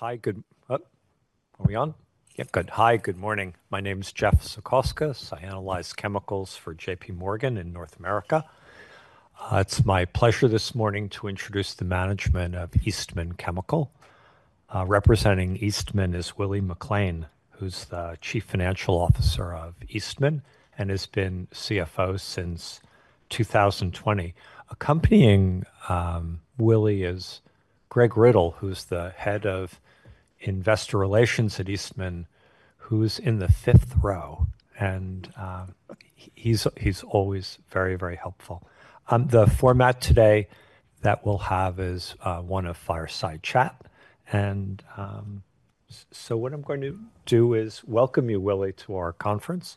Hi, good, oh, are we on? Yep, good. Hi, good morning. My name's Jeff Zekauskas. I analyze chemicals for J.P. Morgan in North America. It's my pleasure this morning to introduce the management of Eastman Chemical. Representing Eastman is Willie McLain, who's the Chief Financial Officer of Eastman and has been CFO since 2020. Accompanying Willie is Greg Riddle, who's the head of Investor Relations at Eastman, who's in the fifth row, and he's always very, very helpful. The format today that we'll have is one of fireside chat, and so what I'm going to do is welcome you, Willie, to our conference.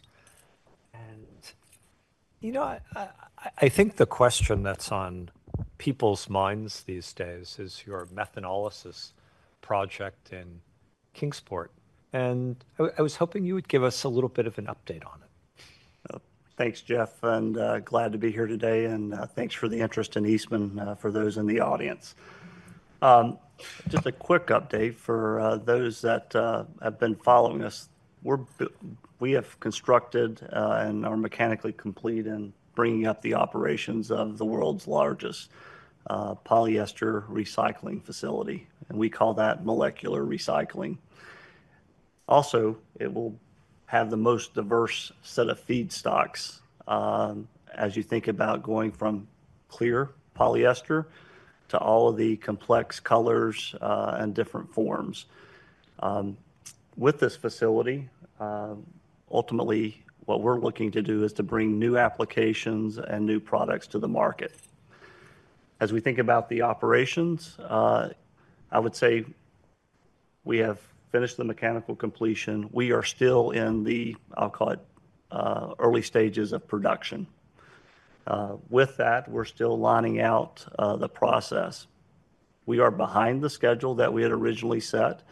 And I think the question that's on people's minds these days is your methanolysis project in Kingsport, and I was hoping you would give us a little bit of an update on it. Thanks, Jeff, and glad to be here today, and thanks for the interest in Eastman for those in the audience. Just a quick update for those that have been following us: we have constructed and are mechanically complete in bringing up the operations of the world's largest polyester recycling facility, and we call that molecular recycling. Also, it will have the most diverse set of feedstocks as you think about going from clear polyester to all of the complex colors and different forms. With this facility, ultimately what we're looking to do is to bring new applications and new products to the market. As we think about the operations, I would say we have finished the mechanical completion. We are still in the, I'll call it, early stages of production. With that, we're still lining out the process. We are behind the schedule that we had originally set,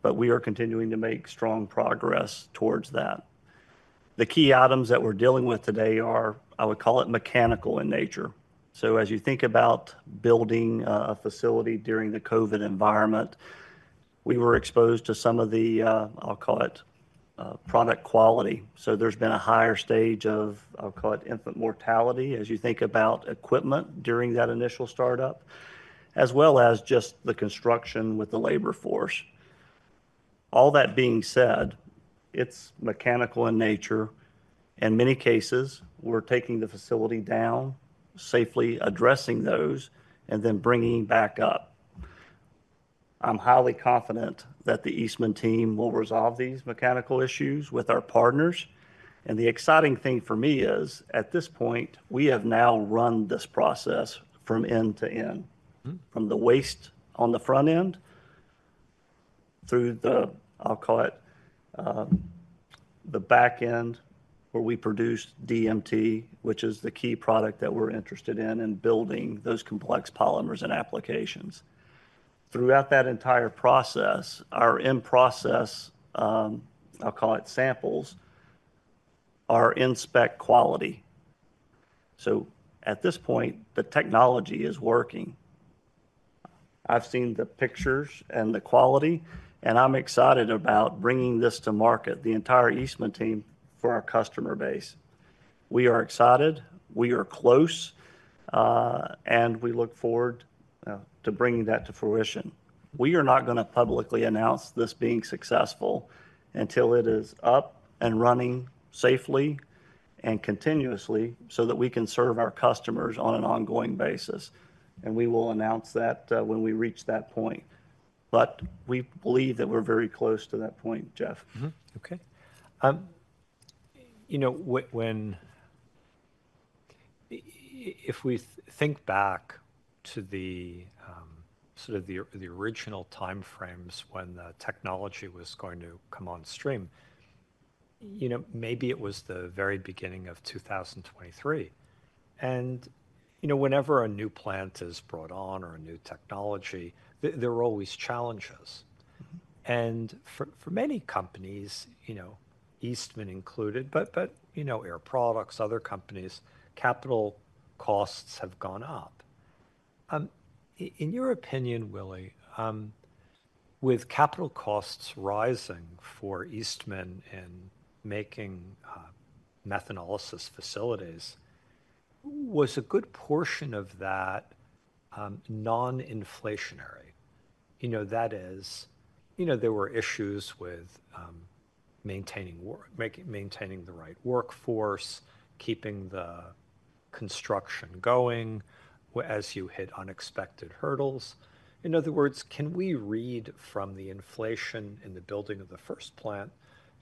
but we are continuing to make strong progress towards that. The key items that we're dealing with today are, I would call it, mechanical in nature. So as you think about building a facility during the COVID environment, we were exposed to some of the, I'll call it, product quality. So there's been a higher stage of, I'll call it, infant mortality as you think about equipment during that initial startup, as well as just the construction with the labor force. All that being said, it's mechanical in nature, and in many cases, we're taking the facility down, safely addressing those, and then bringing back up. I'm highly confident that the Eastman team will resolve these mechanical issues with our partners. The exciting thing for me is, at this point, we have now run this process from end to end, from the waste on the front end through the, I'll call it, the back end where we produce DMT, which is the key product that we're interested in, and building those complex polymers and applications. Throughout that entire process, our in-process, I'll call it, samples are inspection quality. So at this point, the technology is working. I've seen the pictures and the quality, and I'm excited about bringing this to market, the entire Eastman team, for our customer base. We are excited. We are close, and we look forward to bringing that to fruition. We are not going to publicly announce this being successful until it is up and running safely and continuously so that we can serve our customers on an ongoing basis. We will announce that when we reach that point. We believe that we're very close to that point, Jeff. Okay. If we think back to sort of the original time frames when the technology was going to come on stream, maybe it was the very beginning of 2023. Whenever a new plant is brought on or a new technology, there are always challenges. For many companies, Eastman included, but Air Products, other companies, capital costs have gone up. In your opinion, Willie, with capital costs rising for Eastman in making methanolysis facilities, was a good portion of that non-inflationary? That is, there were issues with maintaining the right workforce, keeping the construction going as you hit unexpected hurdles. In other words, can we read from the inflation in the building of the first plant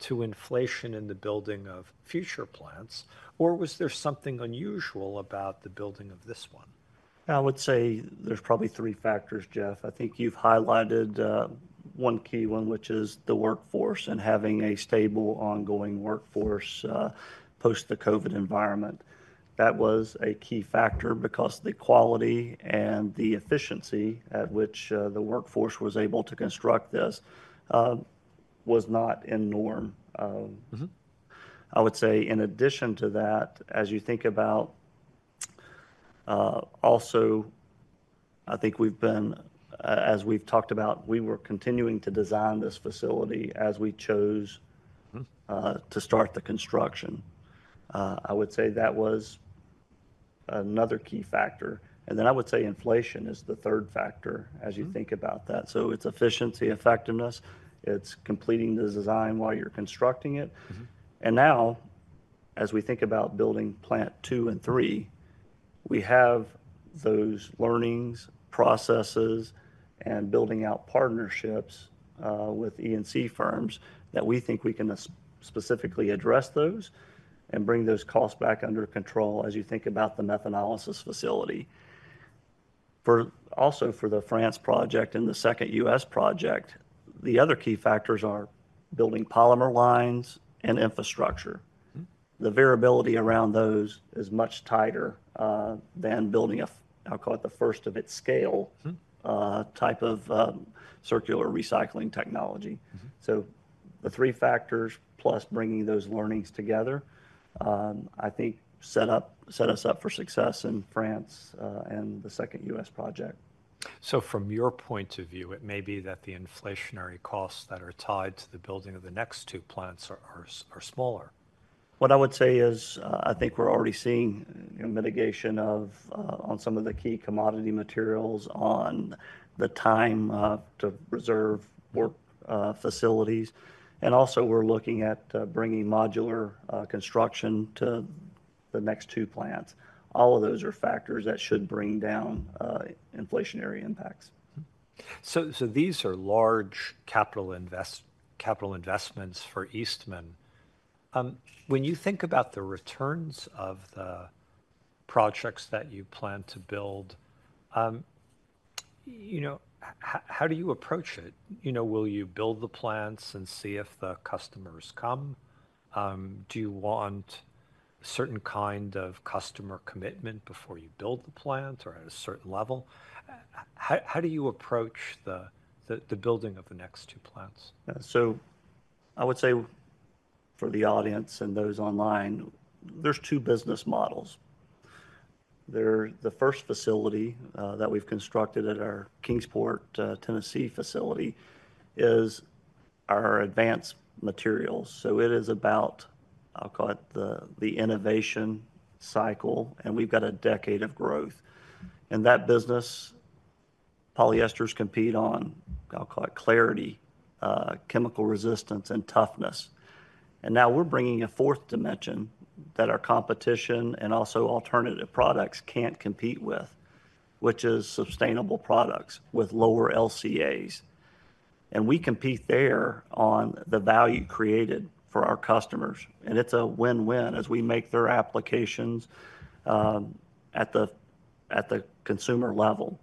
to inflation in the building of future plants, or was there something unusual about the building of this one? I would say there's probably three factors, Jeff. I think you've highlighted one key one, which is the workforce and having a stable, ongoing workforce post the COVID environment. That was a key factor because the quality and the efficiency at which the workforce was able to construct this was not the norm. I would say in addition to that, as you think about also, I think we've been, as we've talked about, we were continuing to design this facility as we chose to start the construction. I would say that was another key factor. And then I would say inflation is the third factor as you think about that. So it's efficiency, effectiveness. It's completing the design while you're constructing it. And now, as we think about building plant two and three, we have those learnings, processes, and building out partnerships with E&C firms that we think we can specifically address those and bring those costs back under control as you think about the methanolysis facility. Also for the France project and the second US project, the other key factors are building polymer lines and infrastructure. The variability around those is much tighter than building a, I'll call it, the first of its scale type of circular recycling technology. So the three factors plus bringing those learnings together, I think, set us up for success in France and the second U.S. project. From your point of view, it may be that the inflationary costs that are tied to the building of the next two plants are smaller. What I would say is I think we're already seeing mitigation on some of the key commodity materials, on the time to reserve work facilities. Also we're looking at bringing modular construction to the next two plants. All of those are factors that should bring down inflationary impacts. These are large capital investments for Eastman. When you think about the returns of the projects that you plan to build, how do you approach it? Will you build the plants and see if the customers come? Do you want a certain kind of customer commitment before you build the plant or at a certain level? How do you approach the building of the next two plants? So I would say for the audience and those online, there's two business models. The first facility that we've constructed at our Kingsport, Tennessee facility is our advanced materials. So it is about, I'll call it, the innovation cycle, and we've got a decade of growth. And that business, polyesters compete on, I'll call it, clarity, chemical resistance, and toughness. And now we're bringing a fourth dimension that our competition and also alternative products can't compete with, which is sustainable products with lower LCAs. And we compete there on the value created for our customers. And it's a win-win as we make their applications at the consumer level.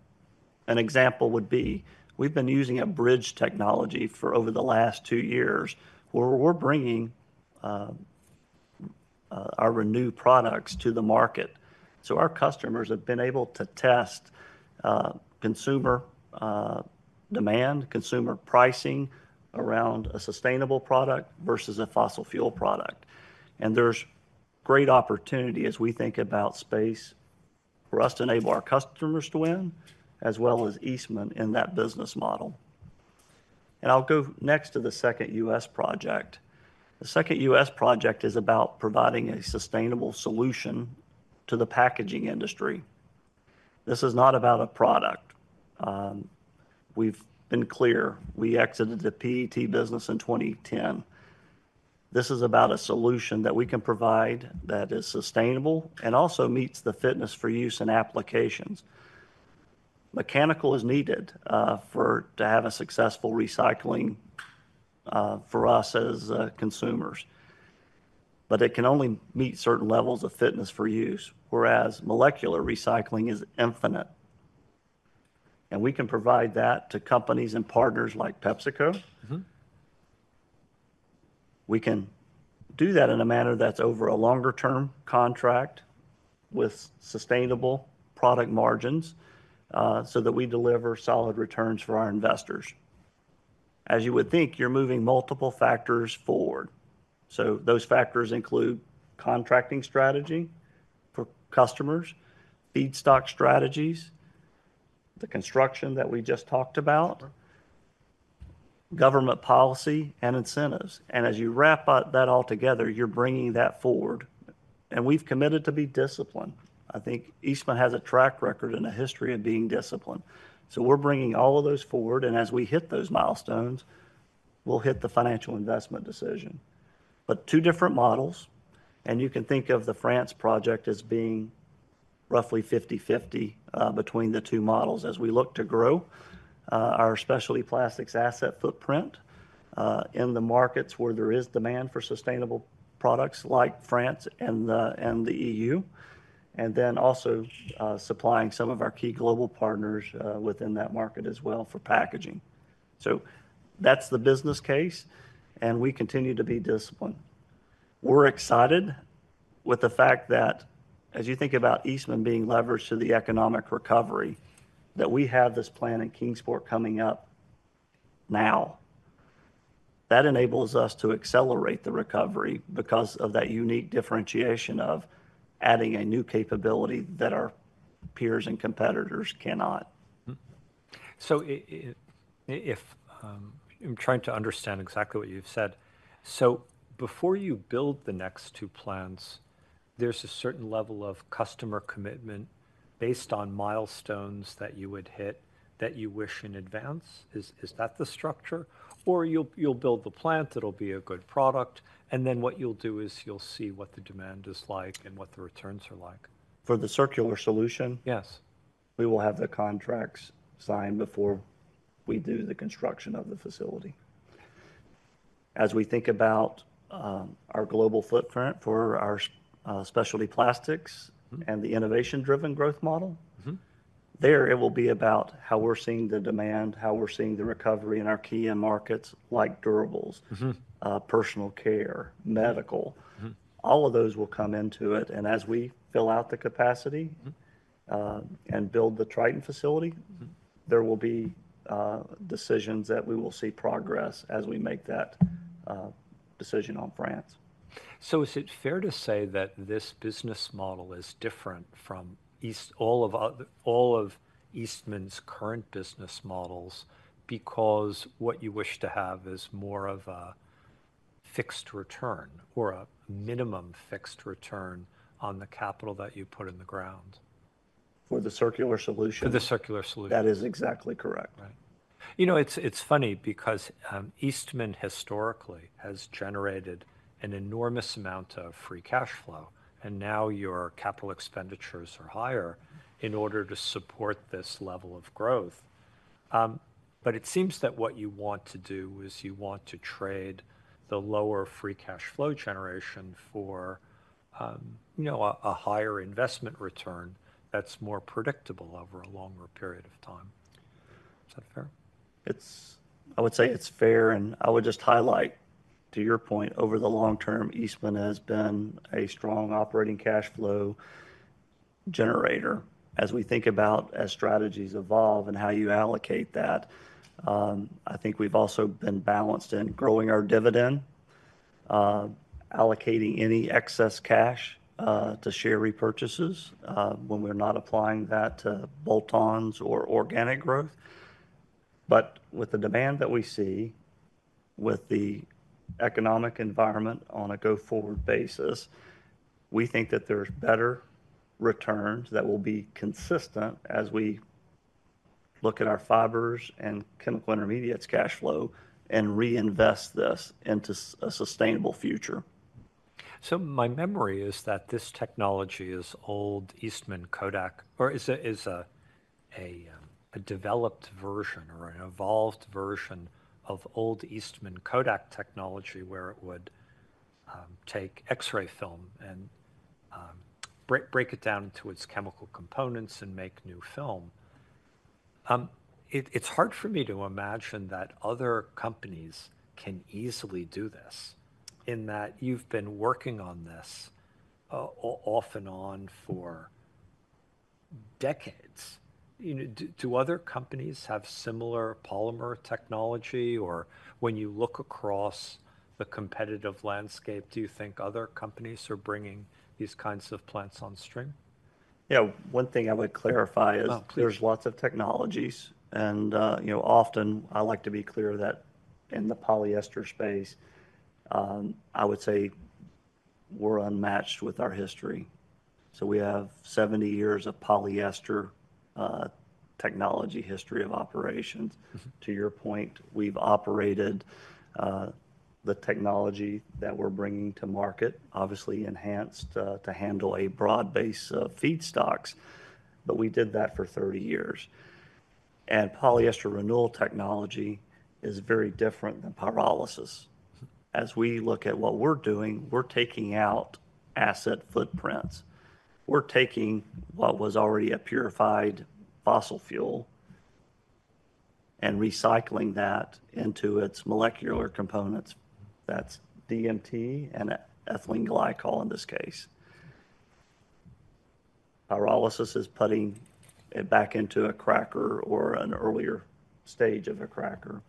An example would be we've been using a bridge technology for over the last two years where we're bringing our renewed products to the market. So our customers have been able to test consumer demand, consumer pricing around a sustainable product versus a fossil fuel product. There's great opportunity as we think about space for us to enable our customers to win, as well as Eastman in that business model. I'll go next to the second U.S. project. The second U.S. project is about providing a sustainable solution to the packaging industry. This is not about a product. We've been clear. We exited the PET business in 2010. This is about a solution that we can provide that is sustainable and also meets the fitness for use and applications. Mechanical is needed to have a successful recycling for us as consumers, but it can only meet certain levels of fitness for use, whereas molecular recycling is infinite. We can provide that to companies and partners like PepsiCo. We can do that in a manner that's over a longer-term contract with sustainable product margins so that we deliver solid returns for our investors. As you would think, you're moving multiple factors forward. So those factors include contracting strategy for customers, feedstock strategies, the construction that we just talked about, government policy, and incentives. And as you wrap that all together, you're bringing that forward. And we've committed to be disciplined. I think Eastman has a track record and a history of being disciplined. So we're bringing all of those forward. And as we hit those milestones, we'll hit the financial investment decision. But two different models, and you can think of the France project as being roughly 50/50 between the two models as we look to grow our specialty plastics asset footprint in the markets where there is demand for sustainable products like France and the EU, and then also supplying some of our key global partners within that market as well for packaging. So that's the business case, and we continue to be disciplined. We're excited with the fact that as you think about Eastman being leveraged to the economic recovery, that we have this plan in Kingsport coming up now, that enables us to accelerate the recovery because of that unique differentiation of adding a new capability that our peers and competitors cannot. So I'm trying to understand exactly what you've said. So before you build the next two plants, there's a certain level of customer commitment based on milestones that you would hit that you wish in advance. Is that the structure? Or you'll build the plant, it'll be a good product, and then what you'll do is you'll see what the demand is like and what the returns are like. For the circular solution, we will have the contracts signed before we do the construction of the facility. As we think about our global footprint for our specialty plastics and the innovation-driven growth model, there it will be about how we're seeing the demand, how we're seeing the recovery in our key markets like durables, personal care, medical. All of those will come into it. And as we fill out the capacity and build the Tritan facility, there will be decisions that we will see progress as we make that decision on France. So is it fair to say that this business model is different from all of Eastman's current business models because what you wish to have is more of a fixed return or a minimum fixed return on the capital that you put in the ground? For the circular solution. For the circular solution. That is exactly correct. Right. It's funny because Eastman historically has generated an enormous amount of free cash flow, and now your capital expenditures are higher in order to support this level of growth. It seems that what you want to do is you want to trade the lower free cash flow generation for a higher investment return that's more predictable over a longer period of time. Is that fair? I would say it's fair. I would just highlight, to your point, over the long term, Eastman has been a strong operating cash flow generator. As we think about as strategies evolve and how you allocate that, I think we've also been balanced in growing our dividend, allocating any excess cash to share repurchases when we're not applying that to bolt-ons or organic growth. With the demand that we see with the economic environment on a go-forward basis, we think that there's better returns that will be consistent as we look at our fibers and chemical intermediates cash flow and reinvest this into a sustainable future. So my memory is that this technology is old Eastman Kodak, or is it a developed version or an evolved version of old Eastman Kodak technology where it would take X-ray film and break it down into its chemical components and make new film? It's hard for me to imagine that other companies can easily do this in that you've been working on this off and on for decades. Do other companies have similar polymer technology? Or when you look across the competitive landscape, do you think other companies are bringing these kinds of plants on stream? Yeah. One thing I would clarify is there's lots of technologies. And often I like to be clear that in the polyester space, I would say we're unmatched with our history. So we have 70 years of polyester technology history of operations. To your point, we've operated the technology that we're bringing to market, obviously enhanced to handle a broad base of feedstocks. But we did that for 30 years. And Polyester Renewal Technology is very different than pyrolysis. As we look at what we're doing, we're taking out asset footprints. We're taking what was already a purified fossil fuel and recycling that into its molecular components. That's DMT and ethylene glycol in this case. Pyrolysis is putting it back into a cracker or an earlier stage of a cracker.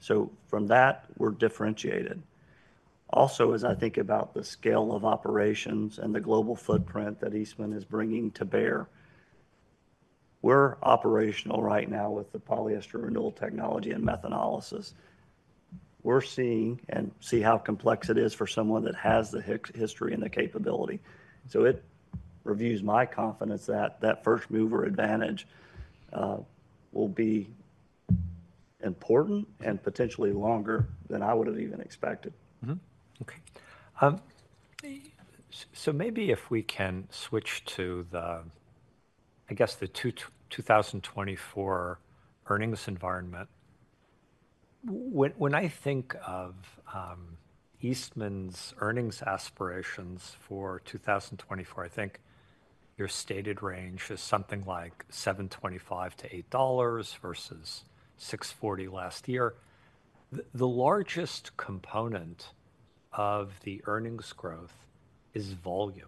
So from that, we're differentiated. Also, as I think about the scale of operations and the global footprint that Eastman is bringing to bear, we're operational right now with the Polyester Renewal Technology and methanolysis. We're seeing and see how complex it is for someone that has the history and the capability. So it reviews my confidence that that first mover advantage will be important and potentially longer than I would have even expected. Okay. So maybe if we can switch to, I guess, the 2024 earnings environment. When I think of Eastman's earnings aspirations for 2024, I think your stated range is something like $7.25-$8 versus $6.40 last year. The largest component of the earnings growth is volume.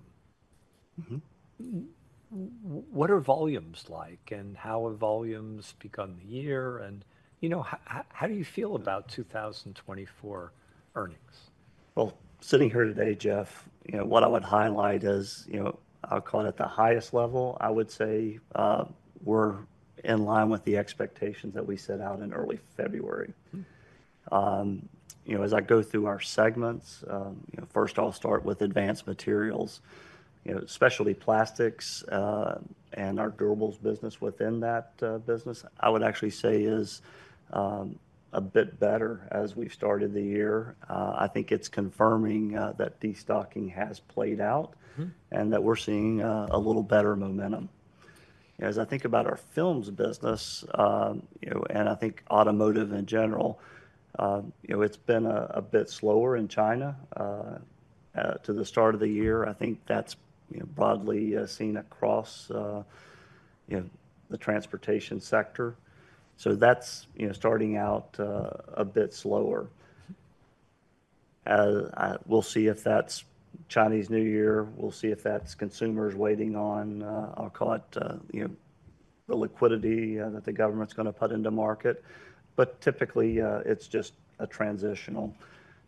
What are volumes like and how have volumes begun the year? And how do you feel about 2024 earnings? Well, sitting here today, Jeff, what I would highlight is, I'll call it at the highest level, I would say we're in line with the expectations that we set out in early February. As I go through our segments, first I'll start with advanced materials, specialty plastics, and our durables business within that business, I would actually say is a bit better as we've started the year. I think it's confirming that destocking has played out and that we're seeing a little better momentum. As I think about our films business, and I think automotive in general, it's been a bit slower in China to the start of the year. I think that's broadly seen across the transportation sector. So that's starting out a bit slower. We'll see if that's Chinese New Year. We'll see if that's consumers waiting on, I'll call it, the liquidity that the government's going to put into market. But typically, it's just a transitional.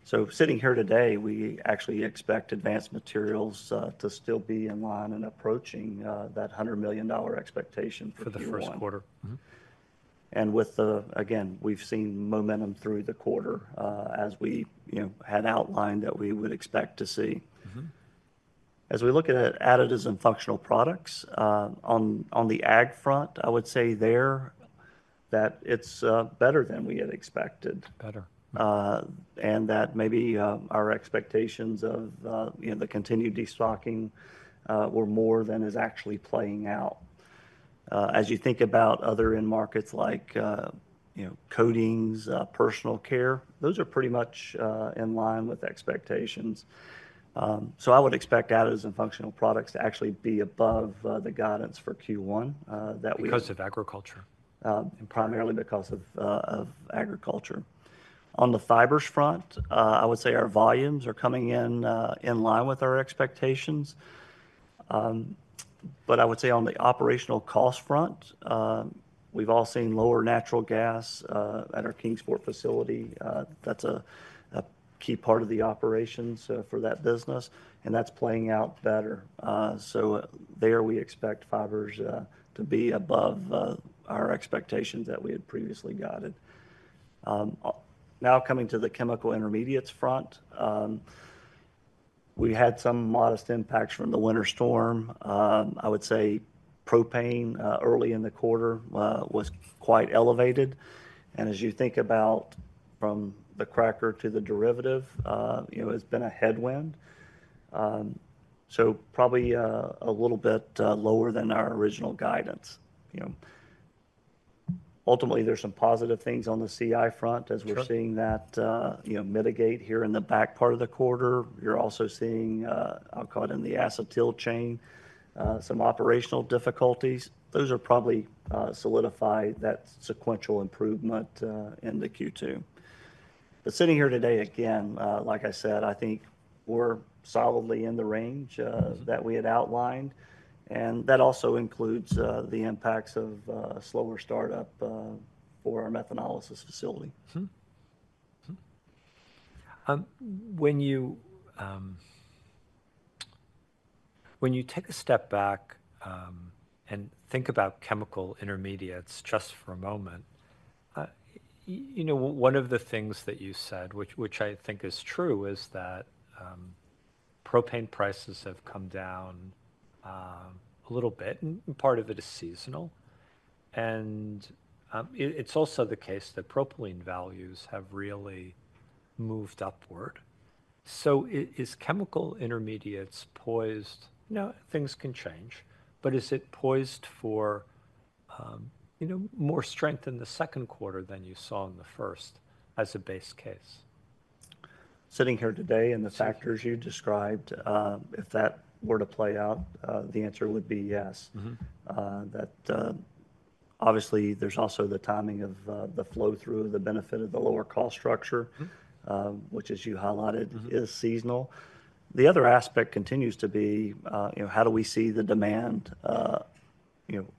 So sitting here today, we actually expect advanced materials to still be in line and approaching that $100 million expectation for Q1. For the first quarter. Again, we've seen momentum through the quarter as we had outlined that we would expect to see. As we look at additives and functional products on the ag front, I would say there that it's better than we had expected. Better. That maybe our expectations of the continued destocking were more than is actually playing out. As you think about other end-markets like coatings, personal care, those are pretty much in line with expectations. I would expect additives and functional products to actually be above the guidance for Q1 that we. Because of agriculture. Primarily because of agriculture. On the fibers front, I would say our volumes are coming in line with our expectations. But I would say on the operational cost front, we've all seen lower natural gas at our Kingsport facility. That's a key part of the operations for that business. That's playing out better. There we expect fibers to be above our expectations that we had previously guided. Now coming to the chemical intermediates front, we had some modest impacts from the winter storm. I would say propane early in the quarter was quite elevated. As you think about from the cracker to the derivative, it's been a headwind. Probably a little bit lower than our original guidance. Ultimately, there's some positive things on the CI front as we're seeing that mitigate here in the back part of the quarter. You're also seeing, I'll call it in the acetyl chain, some operational difficulties. Those are probably solidifying that sequential improvement in the Q2. But sitting here today, again, like I said, I think we're solidly in the range that we had outlined. And that also includes the impacts of slower startup for our methanolysis facility. When you take a step back and think about chemical intermediates just for a moment, one of the things that you said, which I think is true, is that propane prices have come down a little bit and part of it is seasonal. It's also the case that propylene values have really moved upward. Is chemical intermediates poised? Things can change, but is it poised for more strength in the second quarter than you saw in the first as a base case? Sitting here today and the factors you described, if that were to play out, the answer would be yes. Obviously, there's also the timing of the flow through, the benefit of the lower cost structure, which as you highlighted, is seasonal. The other aspect continues to be how do we see the demand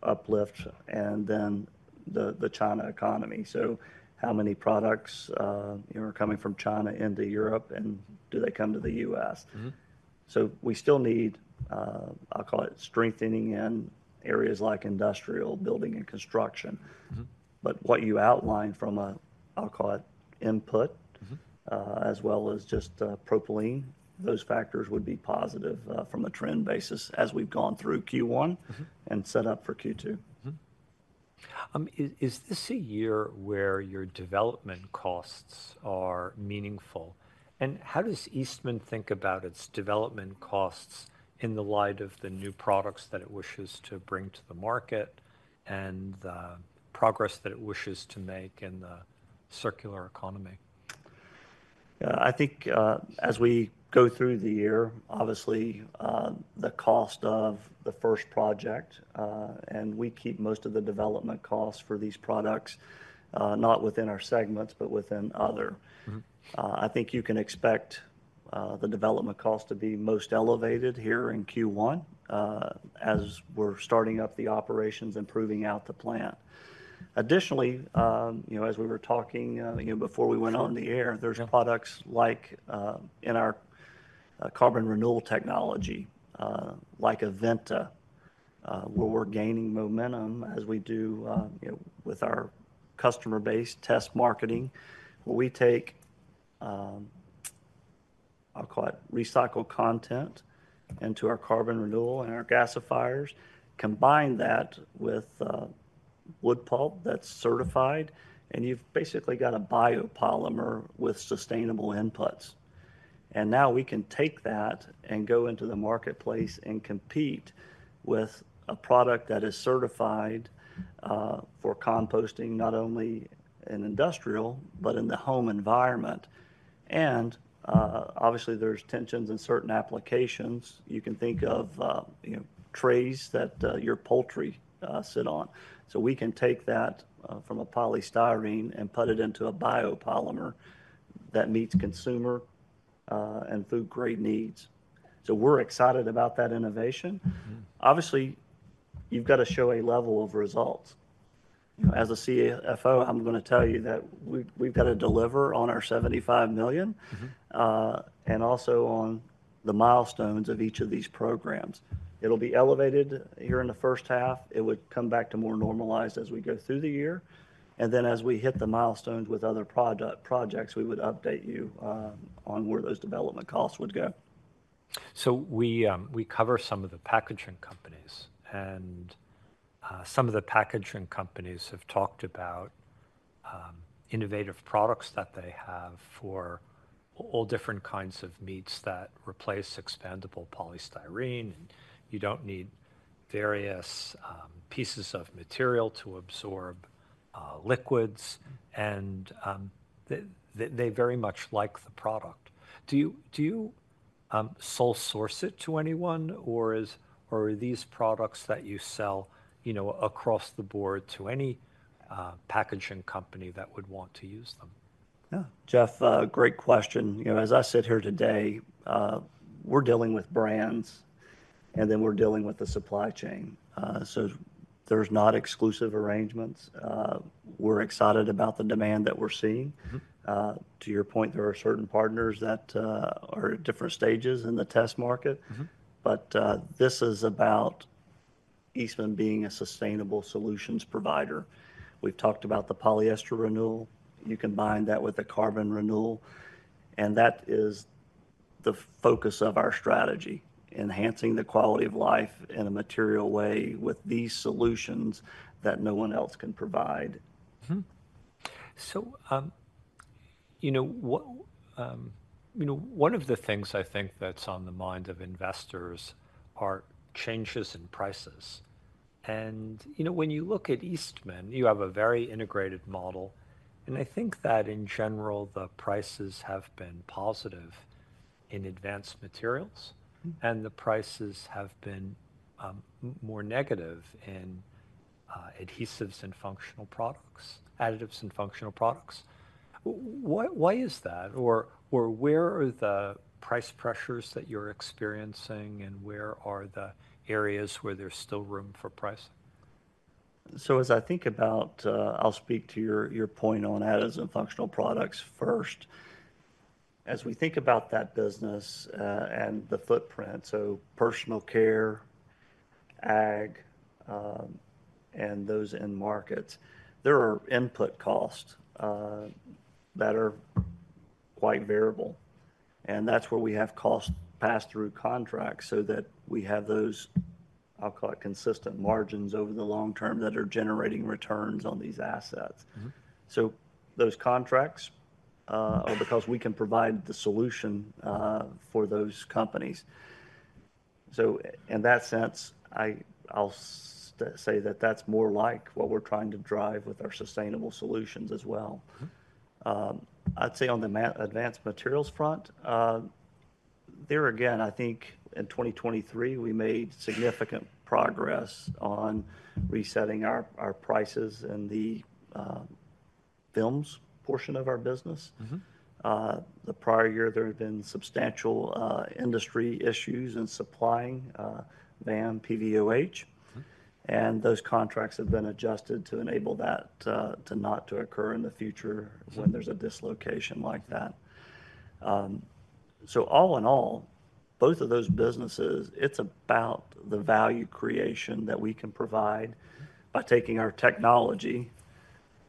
uplift and then the China economy? So how many products are coming from China into Europe and do they come to the U.S.? So we still need, I'll call it, strengthening in areas like industrial building and construction. But what you outlined from a, I'll call it, input as well as just propylene, those factors would be positive from a trend basis as we've gone through Q1 and set up for Q2. Is this a year where your development costs are meaningful? How does Eastman think about its development costs in the light of the new products that it wishes to bring to the market and the progress that it wishes to make in the circular economy? Yeah. I think as we go through the year, obviously, the cost of the first project, and we keep most of the development costs for these products not within our segments, but within other. I think you can expect the development cost to be most elevated here in Q1 as we're starting up the operations and proving out the plant. Additionally, as we were talking before we went on the air, there's products like in our Carbon Renewal Technology, like Aventa, where we're gaining momentum as we do with our customer base test marketing, where we take, I'll call it, recycled content into our carbon renewal and our gasifiers, combine that with wood pulp that's certified, and you've basically got a biopolymer with sustainable inputs. Now we can take that and go into the marketplace and compete with a product that is certified for composting, not only in industrial, but in the home environment. Obviously, there's tensions in certain applications. You can think of trays that your poultry sit on. So we can take that from a polystyrene and put it into a biopolymer that meets consumer and food grade needs. So we're excited about that innovation. Obviously, you've got to show a level of results. As a CFO, I'm going to tell you that we've got to deliver on our $75 million and also on the milestones of each of these programs. It'll be elevated here in the first half. It would come back to more normalized as we go through the year. And then as we hit the milestones with other projects, we would update you on where those development costs would go. We cover some of the packaging companies. Some of the packaging companies have talked about innovative products that they have for all different kinds of meats that replace expandable polystyrene. You don't need various pieces of material to absorb liquids. They very much like the product. Do you sole source it to anyone, or are these products that you sell across the board to any packaging company that would want to use them? Yeah, Jeff, great question. As I sit here today, we're dealing with brands, and then we're dealing with the supply chain. So there's not exclusive arrangements. We're excited about the demand that we're seeing. To your point, there are certain partners that are at different stages in the test market. But this is about Eastman being a sustainable solutions provider. We've talked about the polyester renewal. You combine that with the carbon renewal. And that is the focus of our strategy, enhancing the quality of life in a material way with these solutions that no one else can provide. So one of the things I think that's on the mind of investors are changes in prices. And when you look at Eastman, you have a very integrated model. And I think that in general, the prices have been positive in advanced materials. And the prices have been more negative in adhesives and functional products, additives and functional products. Why is that? Or where are the price pressures that you're experiencing, and where are the areas where there's still room for pricing? So as I think about, I'll speak to your point on additives and functional products first. As we think about that business and the footprint, so personal care, ag, and those in markets, there are input costs that are quite variable. And that's where we have cost pass-through contracts so that we have those, I'll call it, consistent margins over the long term that are generating returns on these assets. So those contracts are because we can provide the solution for those companies. So in that sense, I'll say that that's more like what we're trying to drive with our sustainable solutions as well. I'd say on the advanced materials front, there again, I think in 2023, we made significant progress on resetting our prices in the films portion of our business. The prior year, there had been substantial industry issues in supplying VAM PVOH. And those contracts have been adjusted to enable that to not occur in the future when there's a dislocation like that. So all in all, both of those businesses, it's about the value creation that we can provide by taking our technology,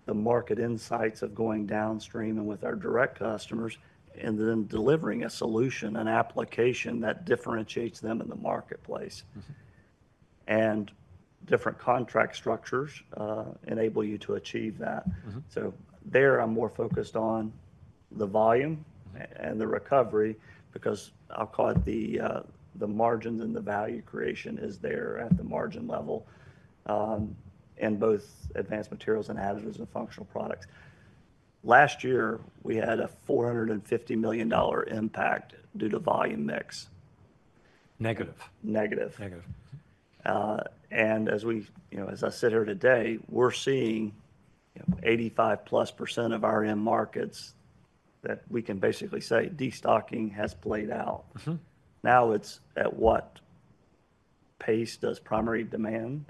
the market insights of going downstream and with our direct customers, and then delivering a solution, an application that differentiates them in the marketplace. And different contract structures enable you to achieve that. So there I'm more focused on the volume and the recovery because I'll call it the margins and the value creation is there at the margin level in both advanced materials and additives and functional products. Last year, we had a $450 million impact due to volume mix. Negative. Negative. And as I sit here today, we're seeing 85%+ of our in-markets that we can basically say destocking has played out. Now it's at what pace does primary demand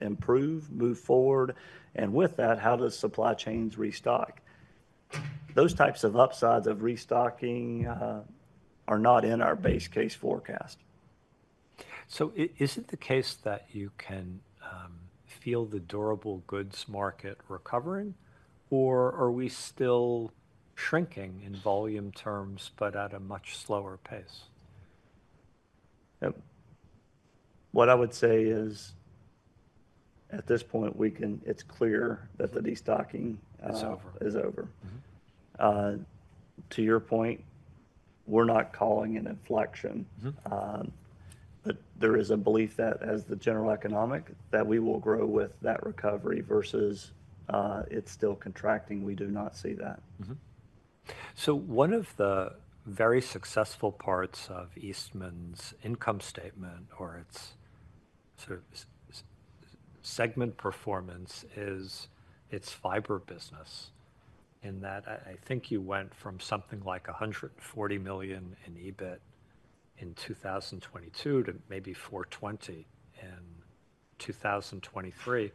improve, move forward? And with that, how does supply chains restock? Those types of upsides of restocking are not in our base case forecast. So, is it the case that you can feel the durable goods market recovering, or are we still shrinking in volume terms, but at a much slower pace? What I would say is at this point, it's clear that the destocking is over. To your point, we're not calling an inflection. But there is a belief that as the general economic, that we will grow with that recovery versus it's still contracting. We do not see that. One of the very successful parts of Eastman's income statement or its sort of segment performance is its fiber business in that I think you went from something like $140 million in EBIT in 2022 to maybe $420 million in 2023.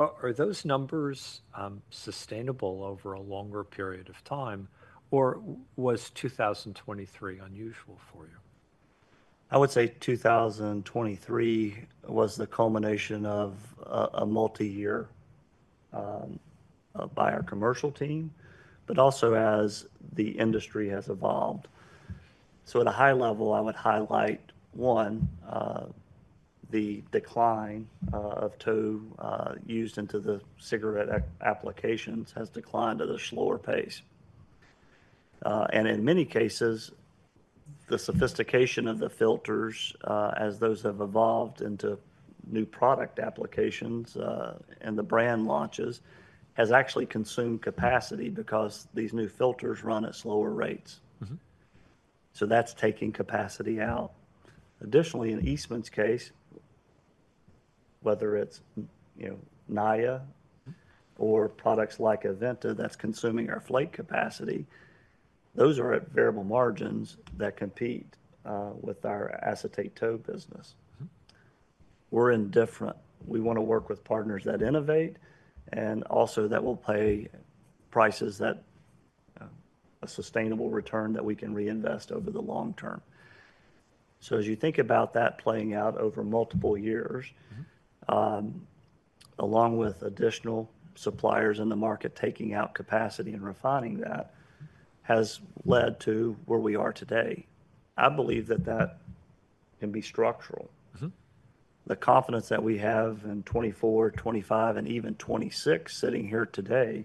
Are those numbers sustainable over a longer period of time, or was 2023 unusual for you? I would say 2023 was the culmination of a multi-year by our commercial team, but also as the industry has evolved. So at a high level, I would highlight one, the decline of tow used into the cigarette applications has declined at a slower pace. And in many cases, the sophistication of the filters as those have evolved into new product applications and the brand launches has actually consumed capacity because these new filters run at slower rates. So that's taking capacity out. Additionally, in Eastman's case, whether it's Naia or products like Aventa that's consuming our flake capacity, those are at variable margins that compete with our acetate tow business. We're indifferent. We want to work with partners that innovate and also that will pay prices that a sustainable return that we can reinvest over the long term. So as you think about that playing out over multiple years, along with additional suppliers in the market taking out capacity and refining that has led to where we are today. I believe that that can be structural. The confidence that we have in 2024, 2025, and even 2026 sitting here today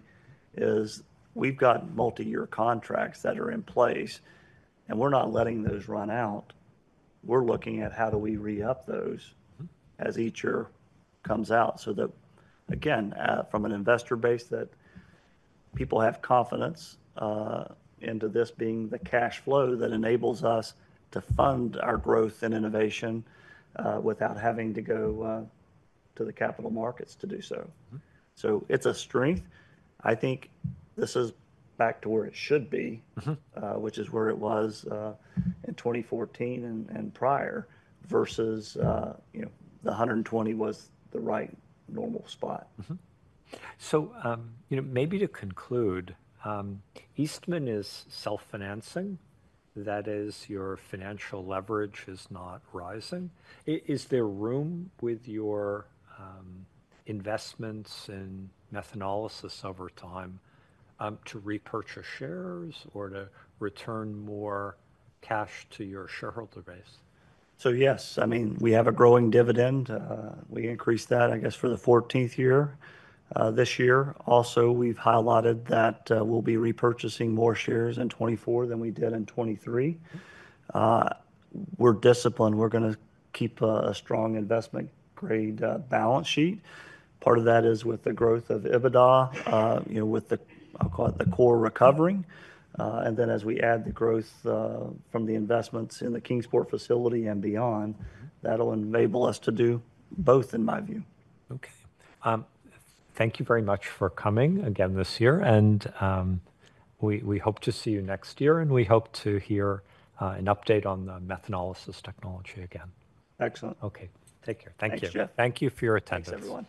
is we've got multi-year contracts that are in place, and we're not letting those run out. We're looking at how do we re-up those as each year comes out so that, again, from an investor base that people have confidence into this being the cash flow that enables us to fund our growth and innovation without having to go to the capital markets to do so. So it's a strength. I think this is back to where it should be, which is where it was in 2014 and prior versus the 120 was the right normal spot. Maybe to conclude, Eastman is self-financing. That is, your financial leverage is not rising. Is there room with your investments in methanolysis over time to repurchase shares or to return more cash to your shareholder base? So yes. I mean, we have a growing dividend. We increased that, I guess, for the 14th year this year. Also, we've highlighted that we'll be repurchasing more shares in 2024 than we did in 2023. We're disciplined. We're going to keep a strong investment grade balance sheet. Part of that is with the growth of EBITDA, with the, I'll call it, the core recovering. And then as we add the growth from the investments in the Kingsport facility and beyond, that'll enable us to do both, in my view. Okay. Thank you very much for coming again this year. We hope to see you next year. We hope to hear an update on the methanolysis technology again. Excellent. Okay. Take care. Thank you. Thank you for your attendance. Thanks, everyone.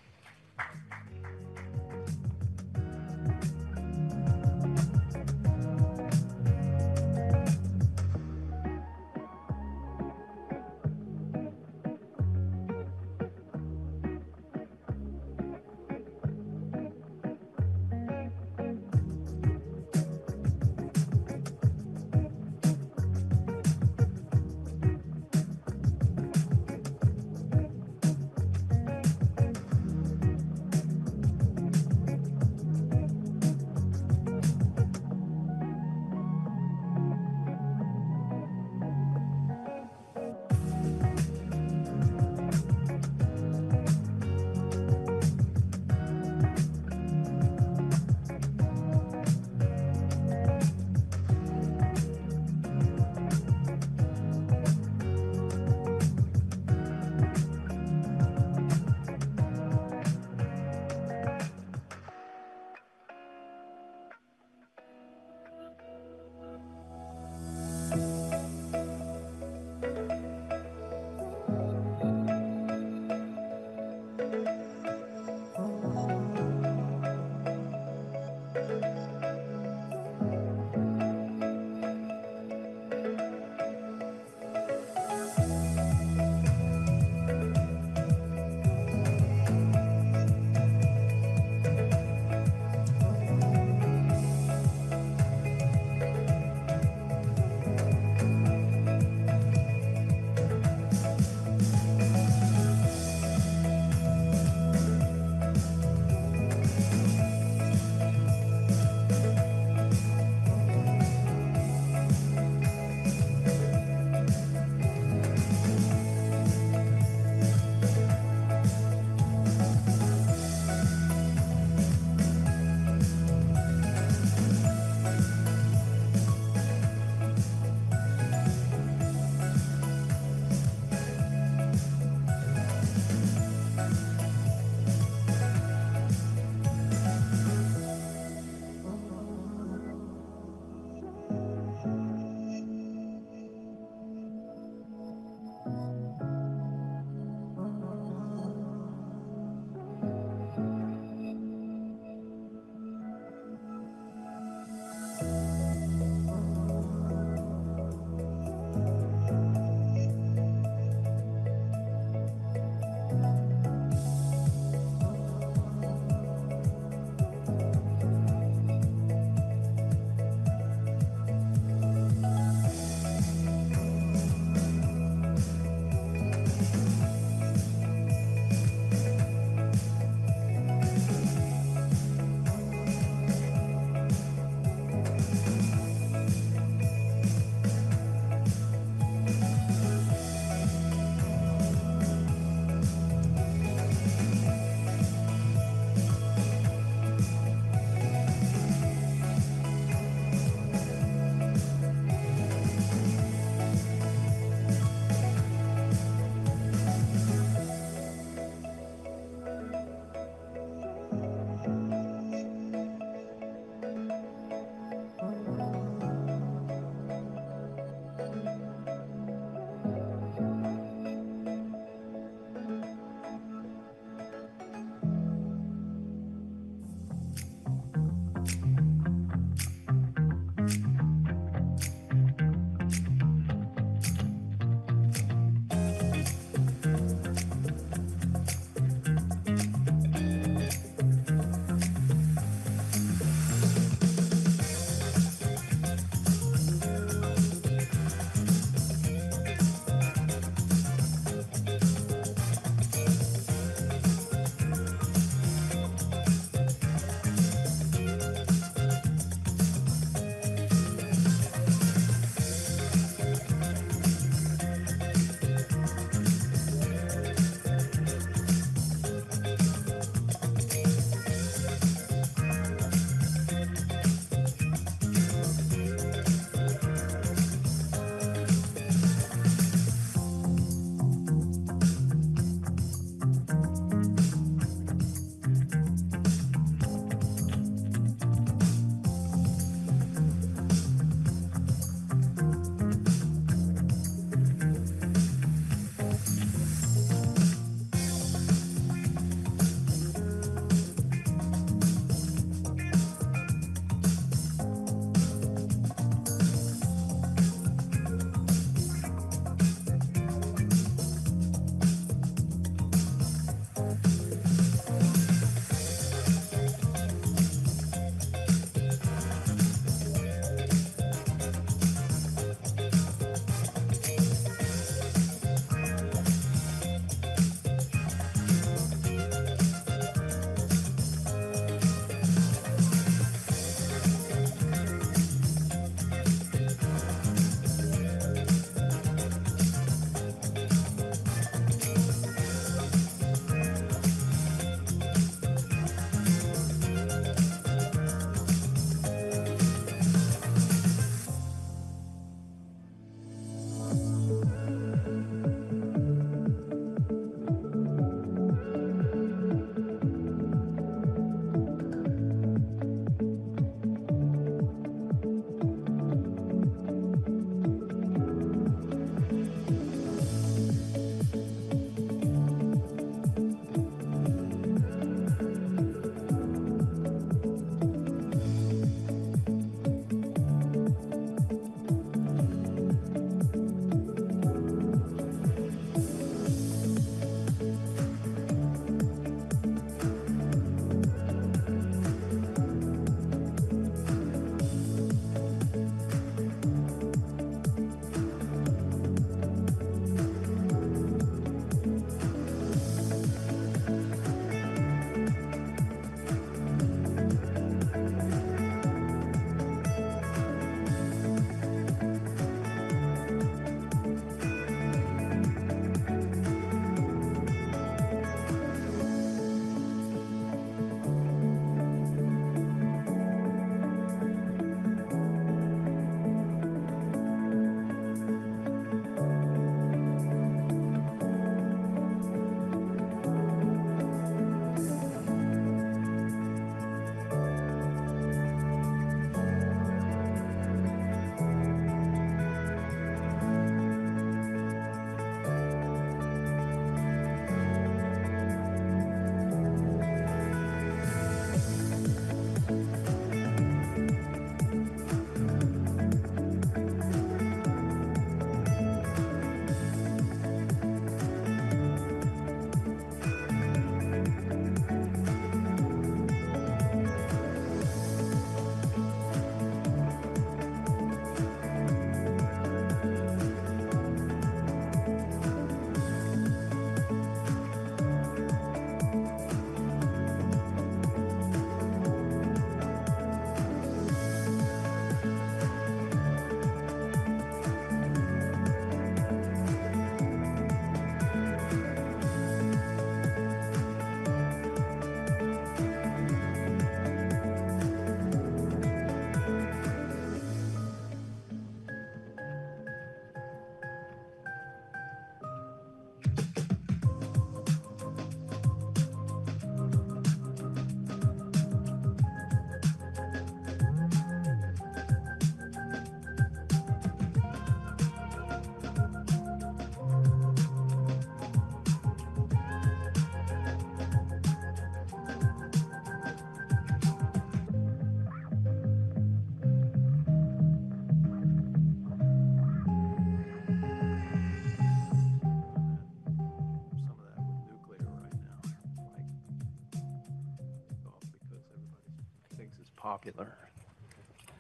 Some of that with nuclear right now. Mike took off because everybody thinks it's popular.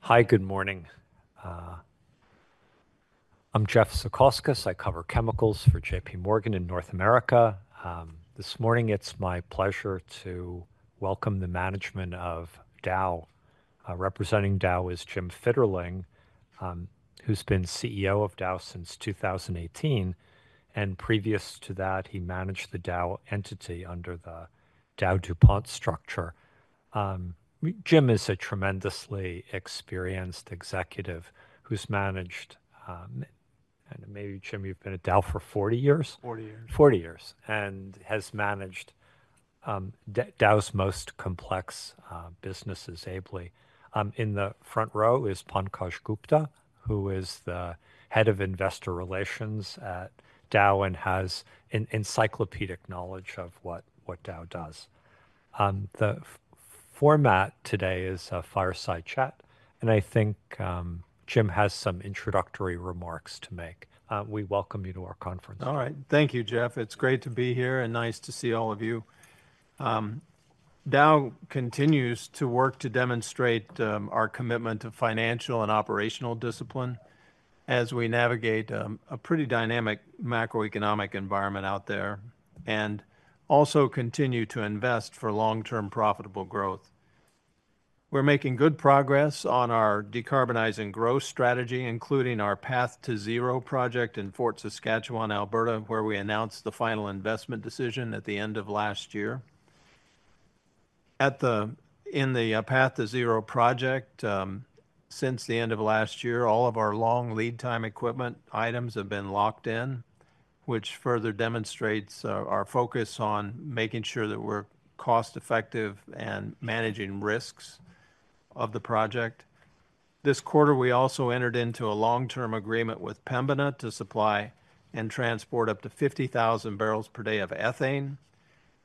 Hi. Good morning. I'm Jeff Zekauskas. I cover chemicals for J.P. Morgan in North America. This morning, it's my pleasure to welcome the management of Dow. Representing Dow is Jim Fitterling, who's been CEO of Dow since 2018. Previous to that, he managed the Dow entity under the Dow DuPont structure. Jim is a tremendously experienced executive who's managed, and maybe, Jim, you've been at Dow for 40 years. 40 years. 40 years, and has managed Dow's most complex businesses, ably. In the front row is Pankaj Gupta, who is the head of investor relations at Dow and has encyclopedic knowledge of what Dow does. The format today is a fireside chat. I think Jim has some introductory remarks to make. We welcome you to our conference. All right. Thank you, Jeff. It's great to be here and nice to see all of you. Dow continues to work to demonstrate our commitment to financial and operational discipline as we navigate a pretty dynamic macroeconomic environment out there and also continue to invest for long-term profitable growth. We're making good progress on our decarbonizing growth strategy, including our Path2Zero project in Fort Saskatchewan, Alberta, where we announced the final investment decision at the end of last year. In the Path2Zero project, since the end of last year, all of our long lead time equipment items have been locked in, which further demonstrates our focus on making sure that we're cost-effective and managing risks of the project. This quarter, we also entered into a long-term agreement with Pembina to supply and transport up to 50,000 barrels per day of ethane.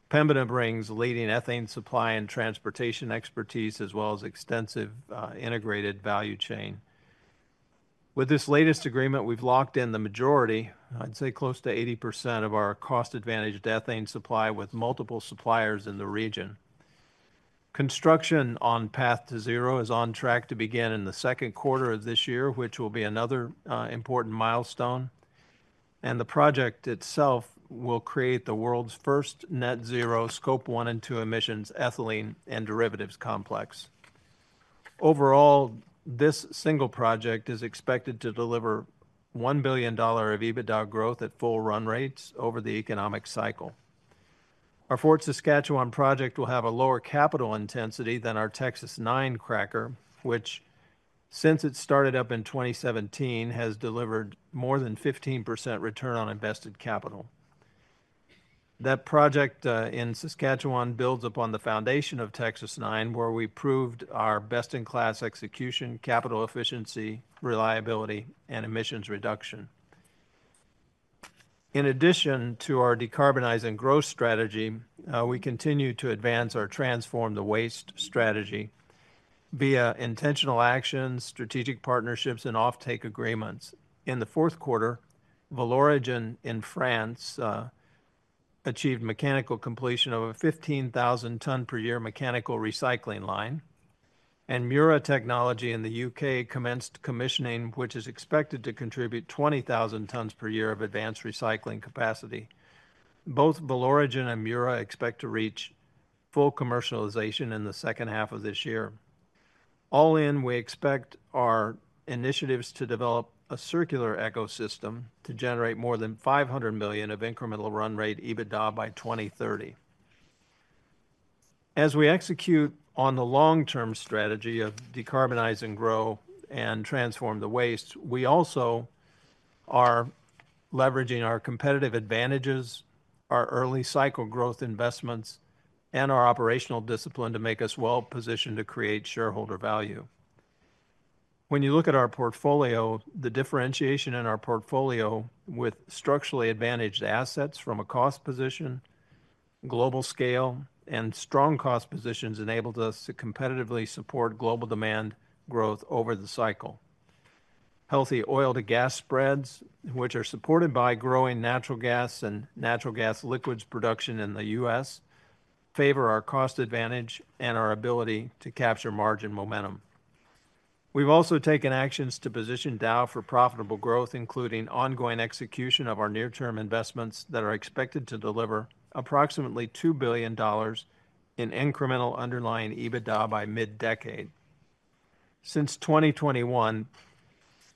Pembina brings leading ethane supply and transportation expertise as well as extensive integrated value chain. With this latest agreement, we've locked in the majority, I'd say close to 80% of our cost-advantaged ethane supply with multiple suppliers in the region. Construction on Path2Zero is on track to begin in the second quarter of this year, which will be another important milestone. The project itself will create the world's first net-zero, Scope 1 and 2 emissions, ethylene and derivatives complex. Overall, this single project is expected to deliver $1 billion of EBITDA growth at full run rates over the economic cycle. Our Fort Saskatchewan project will have a lower capital intensity than our Texas-9 cracker, which, since it started up in 2017, has delivered more than 15% return on invested capital. That project in Saskatchewan builds upon the foundation of Texas-9, where we proved our best-in-class execution, capital efficiency, reliability, and emissions reduction. In addition to our decarbonizing growth strategy, we continue to advance our transform the waste strategy via intentional actions, strategic partnerships, and offtake agreements. In the fourth quarter, Valoregen in France achieved mechanical completion of a 15,000-ton per year mechanical recycling line. Mura Technology in the U.K. commenced commissioning, which is expected to contribute 20,000 tons per year of advanced recycling capacity. Both Valoregen and Mura expect to reach full commercialization in the second half of this year. All in, we expect our initiatives to develop a circular ecosystem to generate more than $500 million of incremental run rate EBITDA by 2030. As we execute on the long-term strategy of decarbonizing growth and transforming the waste, we also are leveraging our competitive advantages, our early cycle growth investments, and our operational discipline to make us well positioned to create shareholder value. When you look at our portfolio, the differentiation in our portfolio with structurally advantaged assets from a cost position, global scale, and strong cost positions enabled us to competitively support global demand growth over the cycle. Healthy oil to gas spreads, which are supported by growing natural gas and natural gas liquids production in the U.S., favor our cost advantage and our ability to capture margin momentum. We've also taken actions to position Dow for profitable growth, including ongoing execution of our near-term investments that are expected to deliver approximately $2 billion in incremental underlying EBITDA by mid-decade. Since 2021,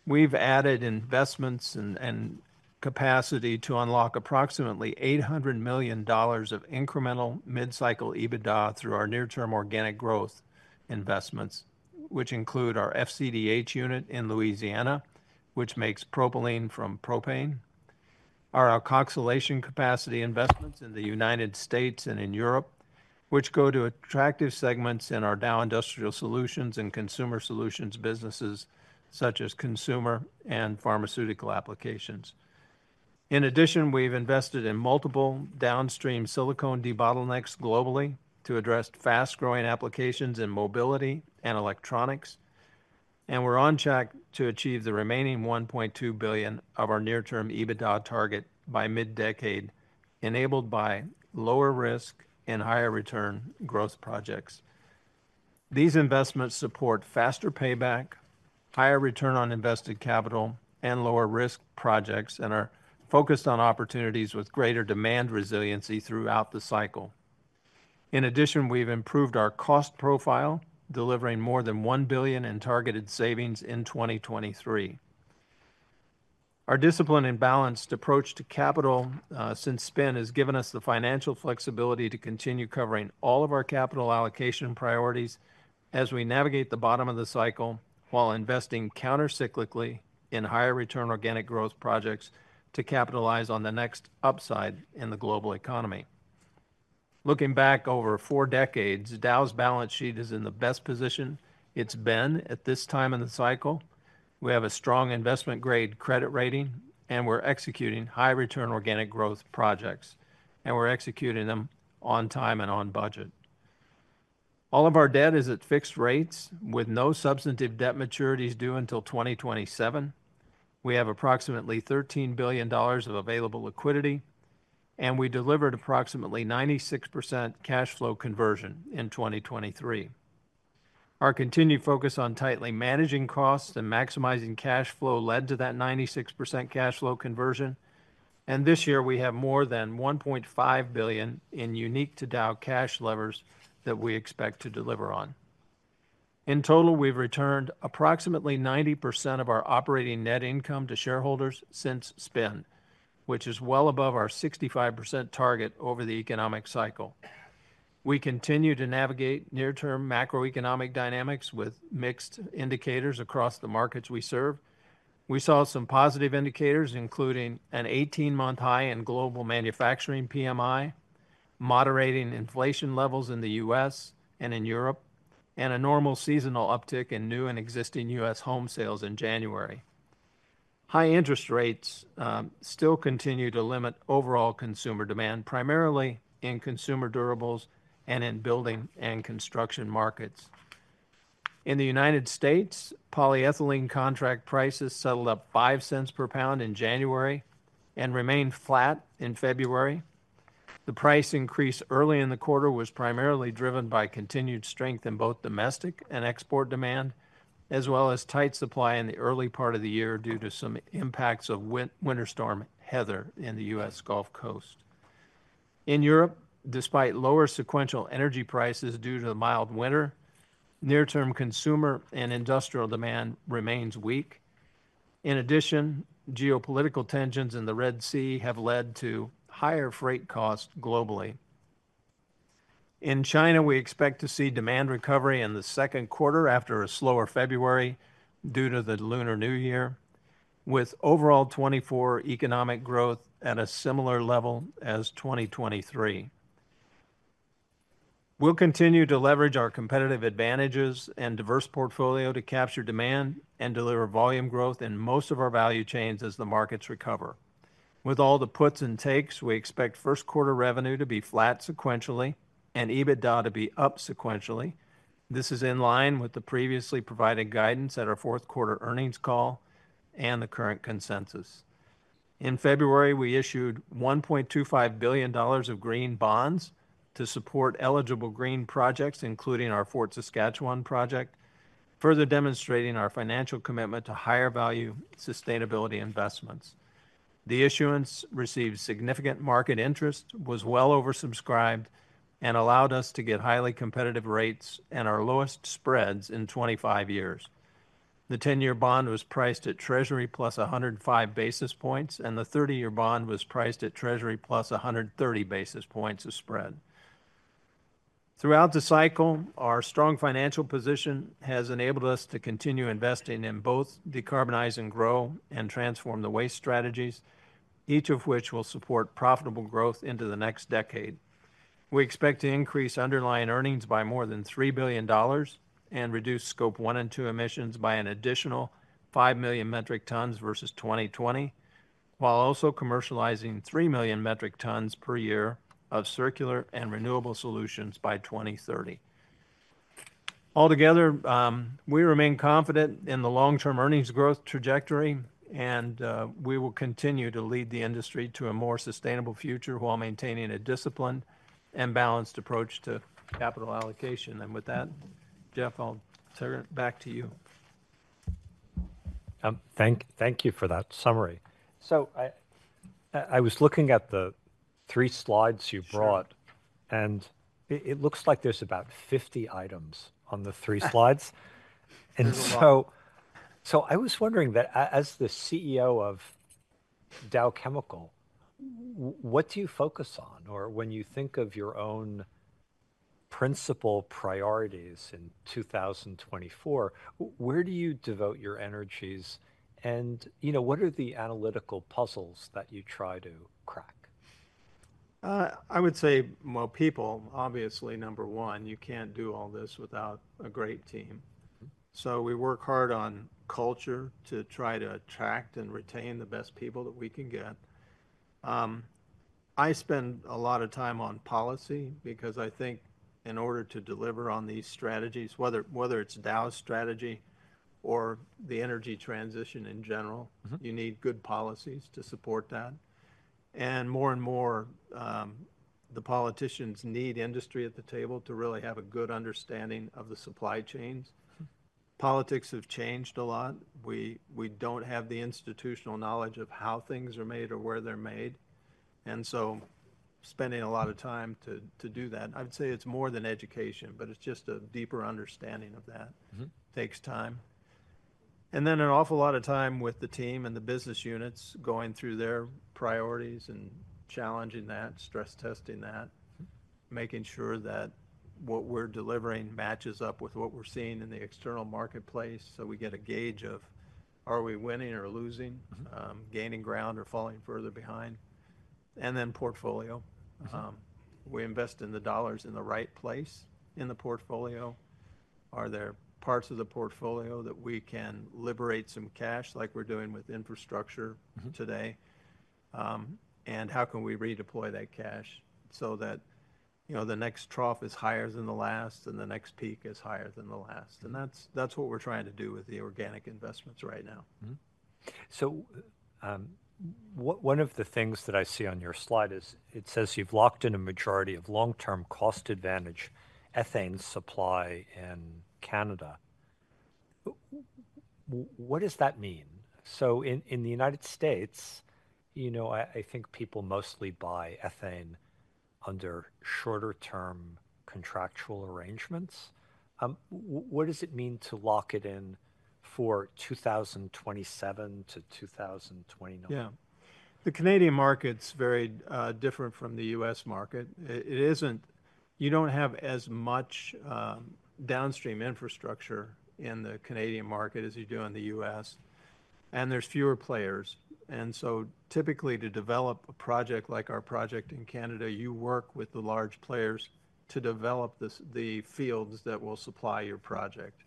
we've added investments and capacity to unlock approximately $800 million of incremental mid-cycle EBITDA through our near-term organic growth investments, which include our FCDH unit in Louisiana, which makes propylene from propane, our alkoxylation capacity investments in the United States and in Europe, which go to attractive segments in our Dow Industrial Solutions and Consumer Solutions businesses, such as consumer and pharmaceutical applications. In addition, we've invested in multiple downstream silicone debottlenecks globally to address fast-growing applications in mobility and electronics. We're on track to achieve the remaining $1.2 billion of our near-term EBITDA target by mid-decade, enabled by lower risk and higher return growth projects. These investments support faster payback, higher return on invested capital, and lower risk projects and are focused on opportunities with greater demand resiliency throughout the cycle. In addition, we've improved our cost profile, delivering more than $1 billion in targeted savings in 2023. Our discipline and balanced approach to capital since SPIN has given us the financial flexibility to continue covering all of our capital allocation priorities as we navigate the bottom of the cycle while investing countercyclically in higher return organic growth projects to capitalize on the next upside in the global economy. Looking back over four decades, Dow's balance sheet is in the best position it's been at this time in the cycle. We have a strong investment-grade credit rating. We're executing high return organic growth projects. We're executing them on time and on budget. All of our debt is at fixed rates with no substantive debt maturities due until 2027. We have approximately $13 billion of available liquidity. We delivered approximately 96% cash flow conversion in 2023. Our continued focus on tightly managing costs and maximizing cash flow led to that 96% cash flow conversion. This year, we have more than $1.5 billion in Unique-to-Dow cash levers that we expect to deliver on. In total, we've returned approximately 90% of our operating net income to shareholders since SPIN, which is well above our 65% target over the economic cycle. We continue to navigate near-term macroeconomic dynamics with mixed indicators across the markets we serve. We saw some positive indicators, including an 18-month high in global manufacturing PMI, moderating inflation levels in the U.S. and in Europe, and a normal seasonal uptick in new and existing U.S. home sales in January. High interest rates still continue to limit overall consumer demand, primarily in consumer durables and in building and construction markets. In the United States, polyethylene contract prices settled at $0.0005 per pound in January and remained flat in February. The price increase early in the quarter was primarily driven by continued strength in both domestic and export demand, as well as tight supply in the early part of the year due to some impacts of winter storm Heather in the U.S. Gulf Coast. In Europe, despite lower sequential energy prices due to the mild winter, near-term consumer and industrial demand remains weak. In addition, geopolitical tensions in the Red Sea have led to higher freight costs globally. In China, we expect to see demand recovery in the second quarter after a slower February due to the Lunar New Year, with overall 2024 economic growth at a similar level as 2023. We'll continue to leverage our competitive advantages and diverse portfolio to capture demand and deliver volume growth in most of our value chains as the markets recover. With all the puts and takes, we expect first quarter revenue to be flat sequentially and EBITDA to be up sequentially. This is in line with the previously provided guidance at our fourth quarter earnings call and the current consensus. In February, we issued $1.25 billion of green bonds to support eligible green projects, including our Fort Saskatchewan project, further demonstrating our financial commitment to higher value sustainability investments. The issuance received significant market interest, was well oversubscribed, and allowed us to get highly competitive rates and our lowest spreads in 25 years. The 10-year bond was priced at Treasury plus 105 basis points. The 30-year bond was priced at Treasury plus 130 basis points of spread. Throughout the cycle, our strong financial position has enabled us to continue investing in both decarbonizing growth and transform the waste strategies, each of which will support profitable growth into the next decade. We expect to increase underlying earnings by more than $3 billion and reduce Scope 1 and 2 emissions by an additional 5 million metric tons versus 2020, while also commercializing 3 million metric tons per year of circular and renewable solutions by 2030. Altogether, we remain confident in the long-term earnings growth trajectory. We will continue to lead the industry to a more sustainable future while maintaining a disciplined and balanced approach to capital allocation. With that, Jeff, I'll turn it back to you. Thank you for that summary. So I was looking at the three slides you brought. And it looks like there's about 50 items on the three slides. And so I was wondering that as the CEO of Dow Chemical, what do you focus on? Or when you think of your own principal priorities in 2024, where do you devote your energies? And what are the analytical puzzles that you try to crack? I would say, well, people, obviously, number one, you can't do all this without a great team. So we work hard on culture to try to attract and retain the best people that we can get. I spend a lot of time on policy because I think in order to deliver on these strategies, whether it's Dow's strategy or the energy transition in general, you need good policies to support that. And more and more, the politicians need industry at the table to really have a good understanding of the supply chains. Politics have changed a lot. We don't have the institutional knowledge of how things are made or where they're made. And so spending a lot of time to do that. I would say it's more than education, but it's just a deeper understanding of that. It takes time. Then an awful lot of time with the team and the business units going through their priorities and challenging that, stress testing that, making sure that what we're delivering matches up with what we're seeing in the external marketplace so we get a gauge of are we winning or losing, gaining ground or falling further behind. Then portfolio. We invest in the dollars in the right place in the portfolio. Are there parts of the portfolio that we can liberate some cash, like we're doing with infrastructure today? And how can we redeploy that cash so that the next trough is higher than the last and the next peak is higher than the last? And that's what we're trying to do with the organic investments right now. So one of the things that I see on your slide is it says you've locked in a majority of long-term cost advantage ethane supply in Canada. What does that mean? So in the United States, I think people mostly buy ethane under shorter-term contractual arrangements. What does it mean to lock it in for 2027 to 2029? Yeah. The Canadian market's very different from the U.S. market. You don't have as much downstream infrastructure in the Canadian market as you do in the U.S. And there's fewer players. And so typically, to develop a project like our project in Canada, you work with the large players to develop the fields that will supply your project.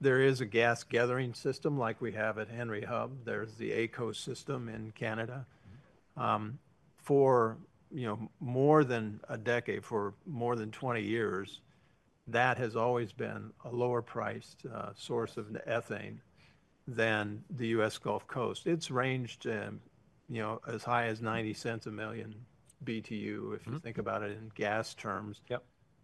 There is a gas gathering system like we have at Henry Hub. There's the AECO system in Canada. For more than a decade, for more than 20 years, that has always been a lower-priced source of ethane than the U.S. Gulf Coast. It's ranged as high as $0.90 a million BTU, if you think about it in gas terms,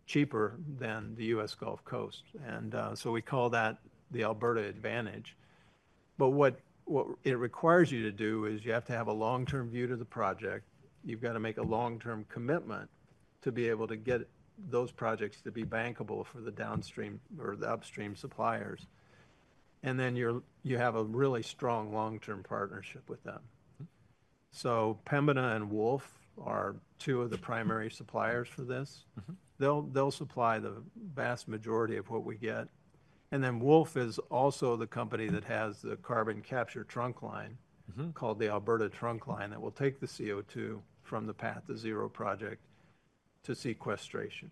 cheaper than the U.S. Gulf Coast. And so we call that the Alberta advantage. But what it requires you to do is you have to have a long-term view to the project. You've got to make a long-term commitment to be able to get those projects to be bankable for the downstream or the upstream suppliers. And then you have a really strong long-term partnership with them. So Pembina and Wolf are two of the primary suppliers for this. They'll supply the vast majority of what we get. And then Wolf is also the company that has the carbon capture trunk line called the Alberta Trunk Line that will take the CO2 from the Path2Zero project to sequestration.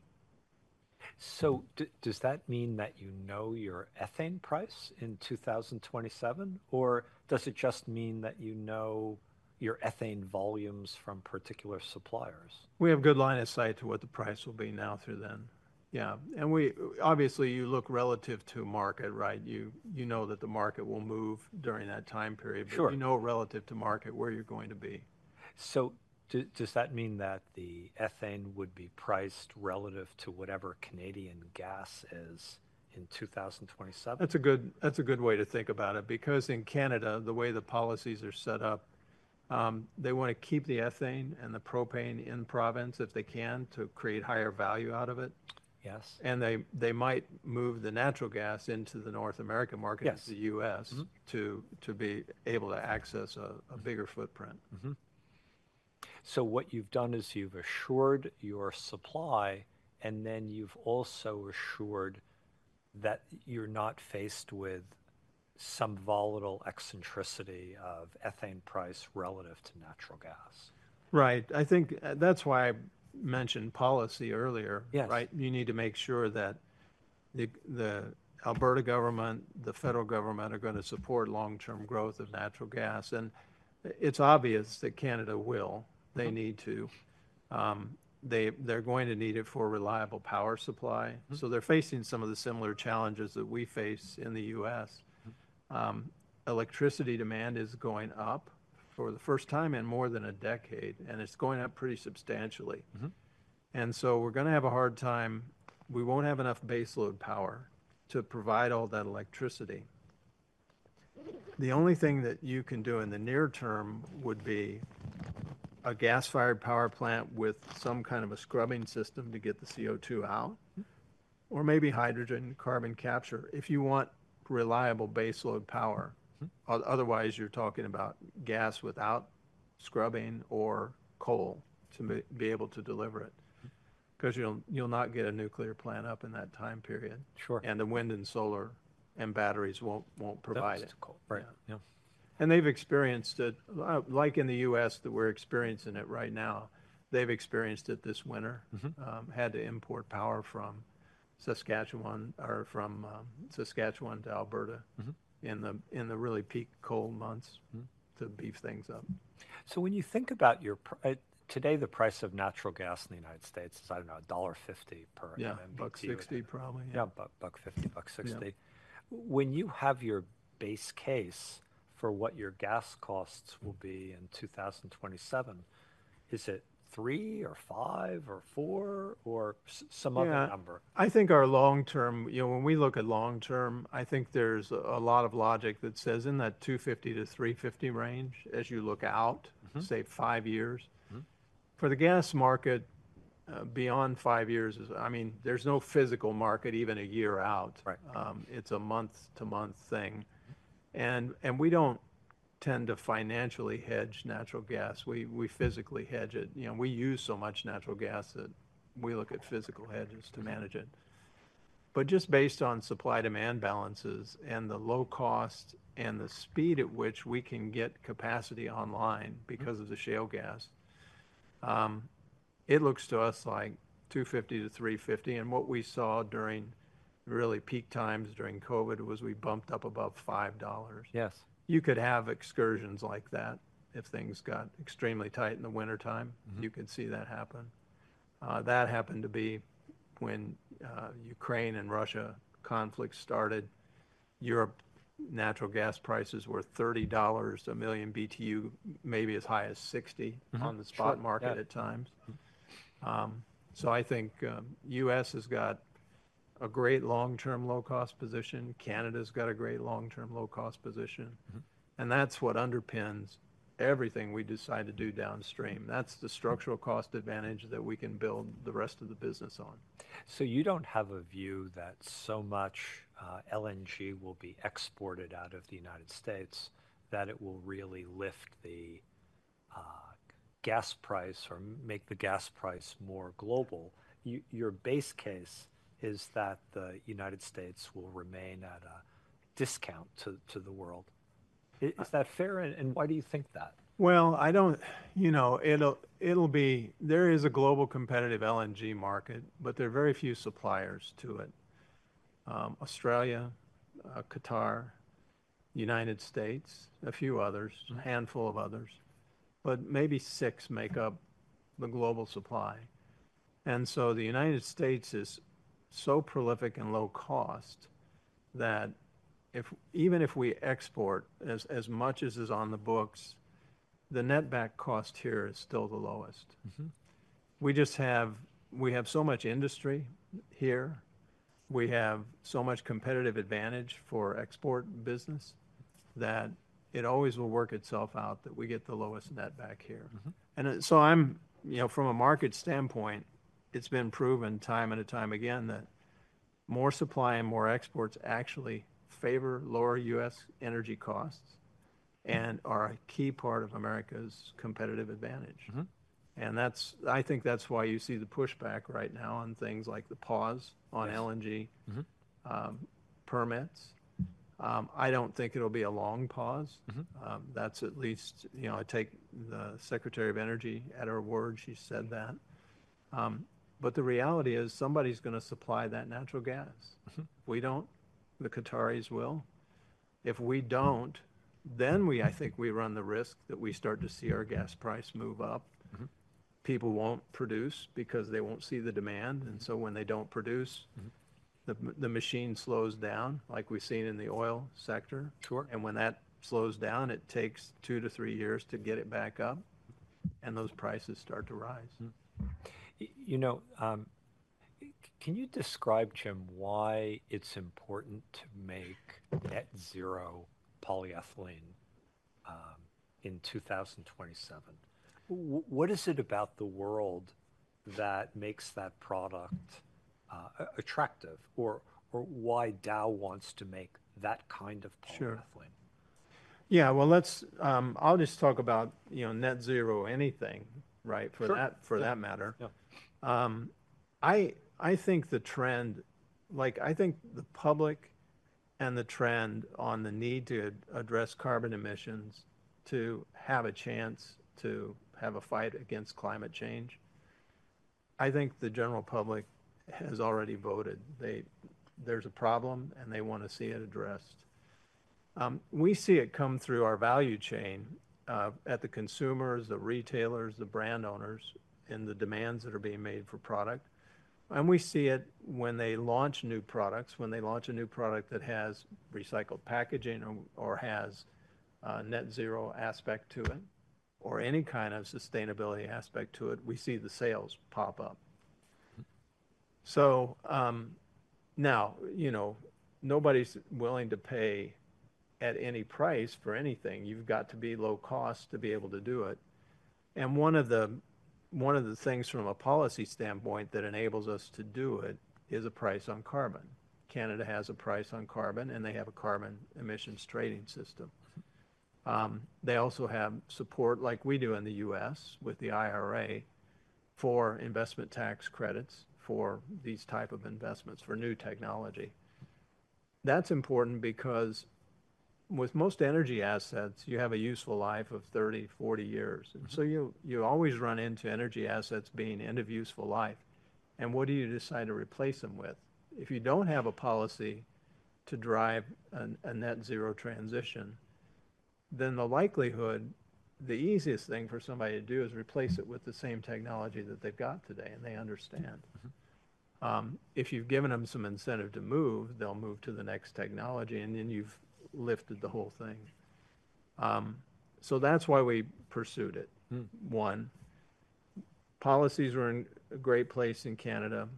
Does that mean that you know your ethane price in 2027? Or does it just mean that you know your ethane volumes from particular suppliers? We have good line of sight to what the price will be now through then. Yeah. And obviously, you look relative to market, right? You know that the market will move during that time period. But you know relative to market where you're going to be. Does that mean that the ethane would be priced relative to whatever Canadian gas is in 2027? That's a good way to think about it because in Canada, the way the policies are set up, they want to keep the ethane and the propane in province if they can to create higher value out of it. They might move the natural gas into the North American market, the U.S., to be able to access a bigger footprint. So what you've done is you've assured your supply. And then you've also assured that you're not faced with some volatile eccentricity of ethane price relative to natural gas. Right. I think that's why I mentioned policy earlier, right? You need to make sure that the Alberta government, the federal government are going to support long-term growth of natural gas. And it's obvious that Canada will. They need to. They're going to need it for reliable power supply. So they're facing some of the similar challenges that we face in the U.S. Electricity demand is going up for the first time in more than a decade. And it's going up pretty substantially. And so we're going to have a hard time. We won't have enough baseload power to provide all that electricity. The only thing that you can do in the near term would be a gas-fired power plant with some kind of a scrubbing system to get the CO2 out or maybe hydrogen carbon capture if you want reliable baseload power. Otherwise, you're talking about gas without scrubbing or coal to be able to deliver it because you'll not get a nuclear plant up in that time period. And the wind and solar and batteries won't provide it. That's coal, right? Yeah. And they've experienced it like in the U.S. that we're experiencing it right now. They've experienced it this winter, had to import power from Saskatchewan or from Saskatchewan to Alberta in the really peak cold months to beef things up. When you think about your today, the price of natural gas in the United States is, I don't know, $1.50 per MMBtu. Yeah, $1.60 probably. Yeah. Yeah, $1.50, $1.60. When you have your base case for what your gas costs will be in 2027, is it three or five or four or some other number? Yeah. I think our long-term when we look at long-term, I think there's a lot of logic that says in that 250-350 range as you look out, say, five years. For the gas market, beyond five years is I mean, there's no physical market even one year out. It's a month-to-month thing. And we don't tend to financially hedge natural gas. We physically hedge it. We use so much natural gas that we look at physical hedges to manage it. But just based on supply-demand balances and the low cost and the speed at which we can get capacity online because of the shale gas, it looks to us like 250-350. And what we saw during really peak times during COVID was we bumped up above $5. You could have excursions like that if things got extremely tight in the wintertime. You could see that happen. That happened to be when Ukraine-Russia conflict started. European natural gas prices were $30 per million BTU, maybe as high as $60 on the spot market at times. So I think the U.S. has got a great long-term low-cost position. Canada's got a great long-term low-cost position. And that's what underpins everything we decide to do downstream. That's the structural cost advantage that we can build the rest of the business on. So you don't have a view that so much LNG will be exported out of the United States that it will really lift the gas price or make the gas price more global. Your base case is that the United States will remain at a discount to the world. Is that fair? And why do you think that? Well, I don't think there is a global competitive LNG market, but there are very few suppliers to it: Australia, Qatar, United States, a few others, a handful of others. But maybe six make up the global supply. And so the United States is so prolific and low-cost that even if we export as much as is on the books, the netback cost here is still the lowest. We have so much industry here. We have so much competitive advantage for export business that it always will work itself out that we get the lowest netback here. And so from a market standpoint, it's been proven time and time again that more supply and more exports actually favor lower U.S. energy costs and are a key part of America's competitive advantage. I think that's why you see the pushback right now on things like the pause on LNG permits. I don't think it'll be a long pause. That's at least I take the Secretary of Energy at her word. She said that. But the reality is somebody's going to supply that natural gas. We don't. The Qataris will. If we don't, then I think we run the risk that we start to see our gas price move up. People won't produce because they won't see the demand. And so when they don't produce, the machine slows down like we've seen in the oil sector. And when that slows down, it takes two-three years to get it back up. And those prices start to rise. Can you describe, Jim, why it's important to make net-zero polyethylene in 2027? What is it about the world that makes that product attractive? Or why Dow wants to make that kind of polyethylene? Sure. Yeah. Well, I'll just talk about net-zero anything, right, for that matter. I think the trend I think the public and the trend on the need to address carbon emissions, to have a chance to have a fight against climate change, I think the general public has already voted. There's a problem, and they want to see it addressed. We see it come through our value chain at the consumers, the retailers, the brand owners, and the demands that are being made for product. And we see it when they launch new products, when they launch a new product that has recycled packaging or has a net-zero aspect to it or any kind of sustainability aspect to it, we see the sales pop up. So now, nobody's willing to pay at any price for anything. You've got to be low-cost to be able to do it. One of the things from a policy standpoint that enables us to do it is a price on carbon. Canada has a price on carbon, and they have a carbon emissions trading system. They also have support like we do in the U.S. with the IRA for investment tax credits for these type of investments for new technology. That's important because with most energy assets, you have a useful life of 30, 40 years. And so you always run into energy assets being end-of-useful life. And what do you decide to replace them with? If you don't have a policy to drive a net-zero transition, then the easiest thing for somebody to do is replace it with the same technology that they've got today, and they understand. If you've given them some incentive to move, they'll move to the next technology. And then you've lifted the whole thing. So that's why we pursued it, one. Policies are in a great place in Canada.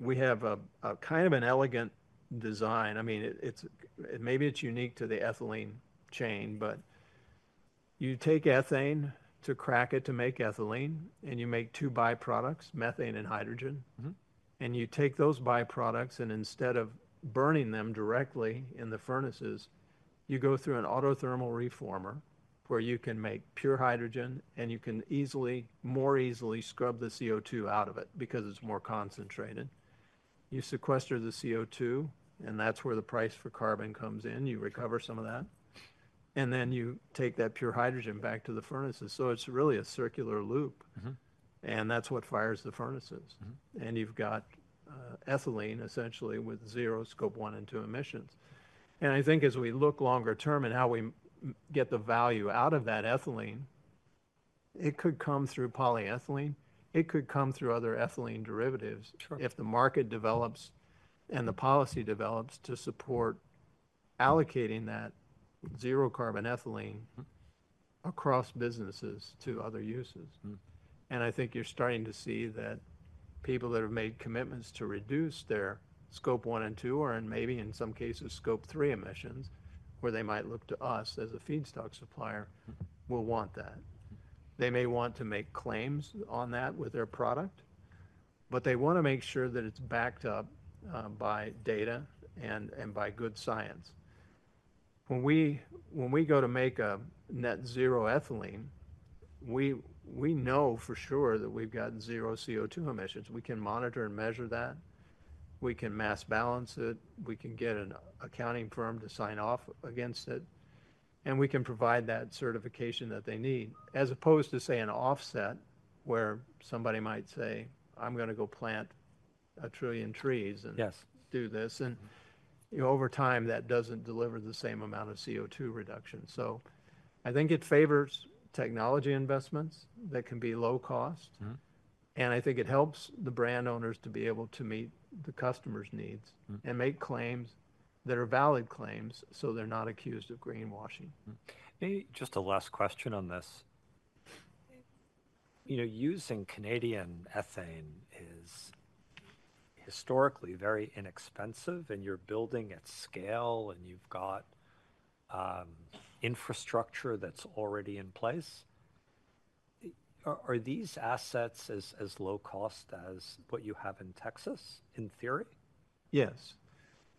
We have kind of an elegant design. I mean, maybe it's unique to the ethylene chain. But you take ethane to crack it to make ethylene, and you make two byproducts, methane and hydrogen. And you take those byproducts, and instead of burning them directly in the furnaces, you go through an Autothermal Reformer where you can make pure hydrogen, and you can more easily scrub the CO2 out of it because it's more concentrated. You sequester the CO2, and that's where the price for carbon comes in. You recover some of that. And then you take that pure hydrogen back to the furnaces. So it's really a circular loop. And that's what fires the furnaces. And you've got ethylene, essentially, with zero Scope 1 and 2 emissions. I think as we look longer term and how we get the value out of that ethylene, it could come through polyethylene. It could come through other ethylene derivatives if the market develops and the policy develops to support allocating that zero-carbon ethylene across businesses to other uses. I think you're starting to see that people that have made commitments to reduce their Scope 1 and Scope 2 or maybe, in some cases, Scope 3 emissions where they might look to us as a feedstock supplier will want that. They may want to make claims on that with their product. But they want to make sure that it's backed up by data and by good science. When we go to make a net-zero ethylene, we know for sure that we've got 0 CO2 emissions. We can monitor and measure that. We can mass-balance it. We can get an accounting firm to sign off against it. And we can provide that certification that they need as opposed to, say, an offset where somebody might say, "I'm going to go plant 1 trillion trees and do this." And over time, that doesn't deliver the same amount of CO2 reduction. So I think it favors technology investments that can be low-cost. And I think it helps the brand owners to be able to meet the customer's needs and make claims that are valid claims so they're not accused of greenwashing. Maybe just a last question on this. Using Canadian ethane is historically very inexpensive. And you're building at scale, and you've got infrastructure that's already in place. Are these assets as low-cost as what you have in Texas, in theory? Yes.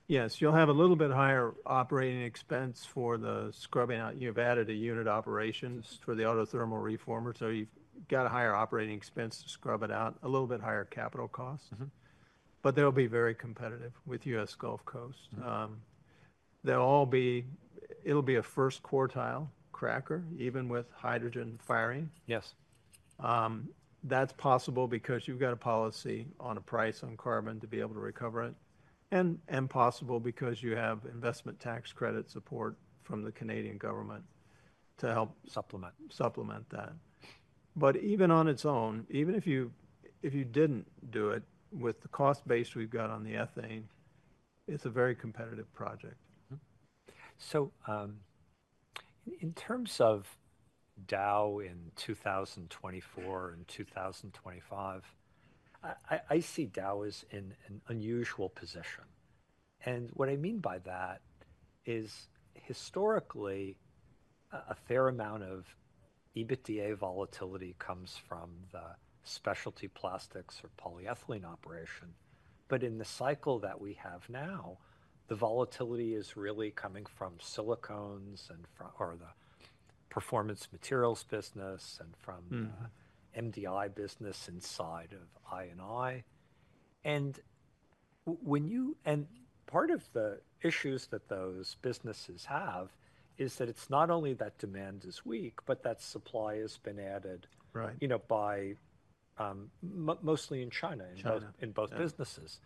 Yes. You'll have a little bit higher operating expense for the scrubbing out. You've added a unit operations for the Autothermal Reformer. So you've got a higher operating expense to scrub it out, a little bit higher capital cost. But they'll be very competitive with U.S. Gulf Coast. It'll be a first-quartile cracker, even with hydrogen firing. That's possible because you've got a policy on a price on carbon to be able to recover it and possible because you have Investment Tax Credit support from the Canadian government to help. Supplement. Supplement that. But even on its own, even if you didn't do it with the cost base we've got on the ethane, it's a very competitive project. So in terms of Dow in 2024 and 2025, I see Dow as in an unusual position. And what I mean by that is, historically, a fair amount of EBITDA volatility comes from the specialty plastics or polyethylene operation. But in the cycle that we have now, the volatility is really coming from silicones or the Performance Materials business and from the MDI business inside of II&I. And part of the issues that those businesses have is that it's not only that demand is weak, but that supply has been added by mostly in China in both businesses.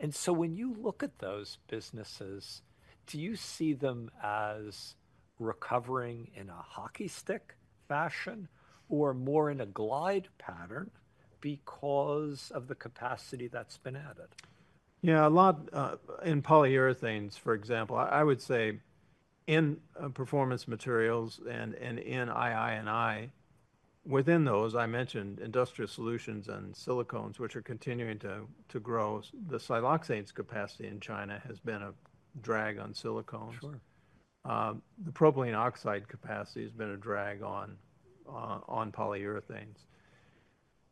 And so when you look at those businesses, do you see them as recovering in a hockey stick fashion or more in a glide pattern because of the capacity that's been added? Yeah. In polyurethanes, for example, I would say in Performance Materials and in II&I, within those, I mentioned Industrial Solutions and silicones, which are continuing to grow. The siloxanes' capacity in China has been a drag on silicones. The propylene oxide capacity has been a drag on polyurethanes.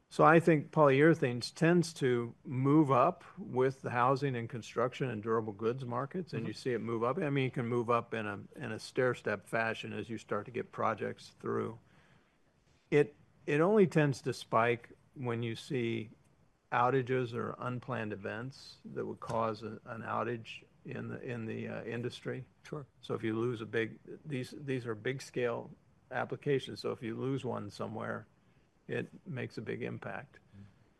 So I think polyurethanes tends to move up with the housing and construction and durable goods markets. And you see it move up. I mean, it can move up in a stairstep fashion as you start to get projects through. It only tends to spike when you see outages or unplanned events that would cause an outage in the industry. So if you lose a big these are big-scale applications. So if you lose one somewhere, it makes a big impact.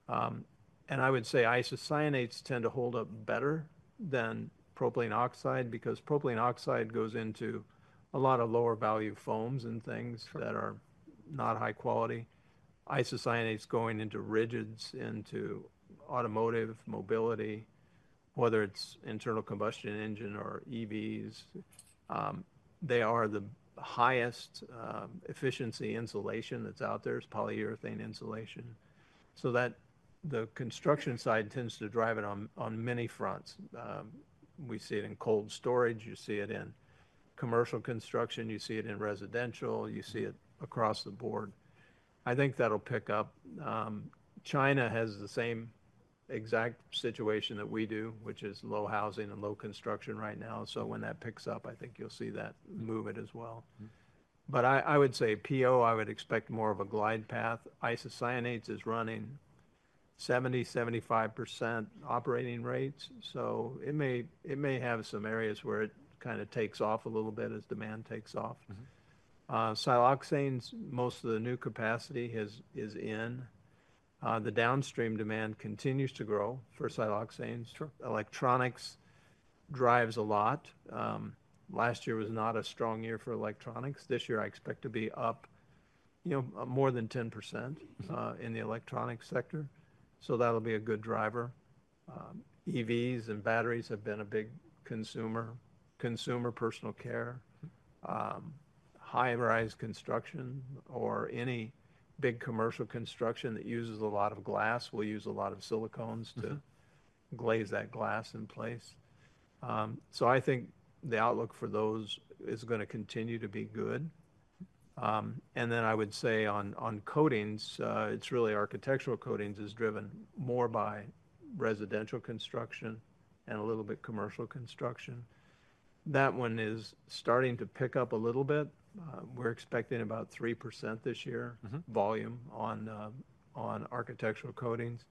I would say isocyanates tend to hold up better than propylene oxide because propylene oxide goes into a lot of lower-value foams and things that are not high quality. Isocyanates going into rigids, into automotive mobility, whether it's internal combustion engine or EVs, they are the highest-efficiency insulation that's out there. It's polyurethane insulation. So the construction side tends to drive it on many fronts. We see it in cold storage. You see it in commercial construction. You see it in residential. You see it across the board. I think that'll pick up. China has the same exact situation that we do, which is low housing and low construction right now. So when that picks up, I think you'll see that move it as well. But I would say PO, I would expect more of a glide path. Isocyanates is running 70%-75% operating rates. So it may have some areas where it kind of takes off a little bit as demand takes off. Siloxanes, most of the new capacity is in. The downstream demand continues to grow for siloxanes. Electronics drives a lot. Last year was not a strong year for electronics. This year, I expect to be up more than 10% in the electronics sector. So that'll be a good driver. EVs and batteries have been a big consumer, consumer personal care. High-rise construction or any big commercial construction that uses a lot of glass will use a lot of silicones to glaze that glass in place. So I think the outlook for those is going to continue to be good. And then I would say on coatings, it's really architectural coatings is driven more by residential construction and a little bit commercial construction. That one is starting to pick up a little bit. We're expecting about 3% this year volume on architectural coatings.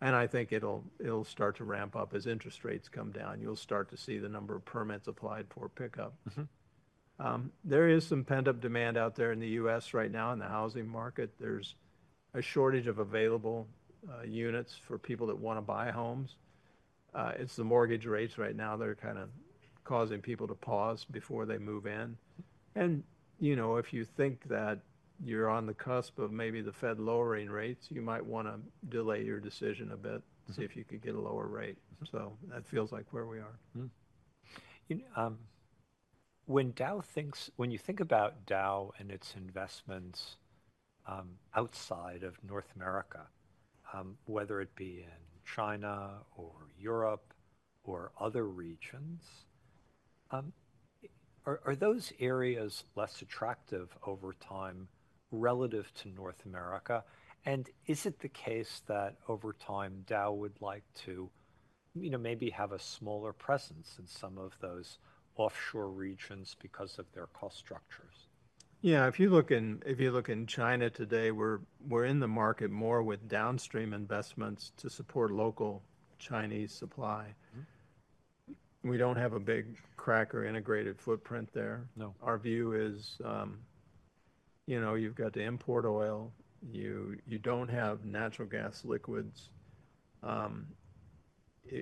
I think it'll start to ramp up as interest rates come down. You'll start to see the number of permits applied for pickup. There is some pent-up demand out there in the U.S. right now in the housing market. There's a shortage of available units for people that want to buy homes. It's the mortgage rates right now. They're kind of causing people to pause before they move in. If you think that you're on the cusp of maybe the Fed lowering rates, you might want to delay your decision a bit, see if you could get a lower rate. That feels like where we are. When you think about Dow and its investments outside of North America, whether it be in China or Europe or other regions, are those areas less attractive over time relative to North America? And is it the case that, over time, Dow would like to maybe have a smaller presence in some of those offshore regions because of their cost structures? Yeah. If you look in China today, we're in the market more with downstream investments to support local Chinese supply. We don't have a big cracker integrated footprint there. Our view is you've got to import oil. You don't have natural gas liquids.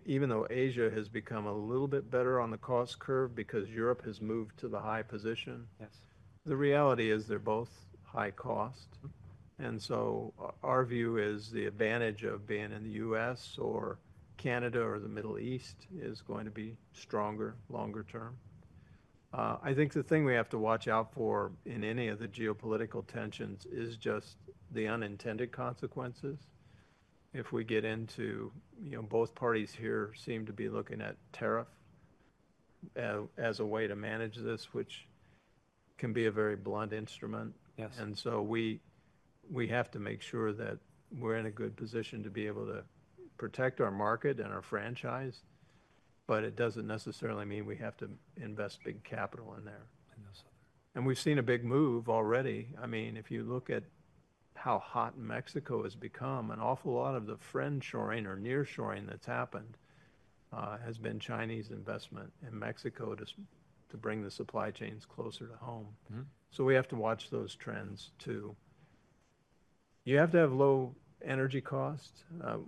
Even though Asia has become a little bit better on the cost curve because Europe has moved to the high position, the reality is they're both high cost. And so our view is the advantage of being in the U.S. or Canada or the Middle East is going to be stronger longer term. I think the thing we have to watch out for in any of the geopolitical tensions is just the unintended consequences. If we get into both parties here seem to be looking at tariff as a way to manage this, which can be a very blunt instrument. And so we have to make sure that we're in a good position to be able to protect our market and our franchise. But it doesn't necessarily mean we have to invest big capital in there. And we've seen a big move already. I mean, if you look at how hot Mexico has become, an awful lot of the friend-shoring or near-shoring that's happened has been Chinese investment in Mexico to bring the supply chains closer to home. So we have to watch those trends too. You have to have low energy cost.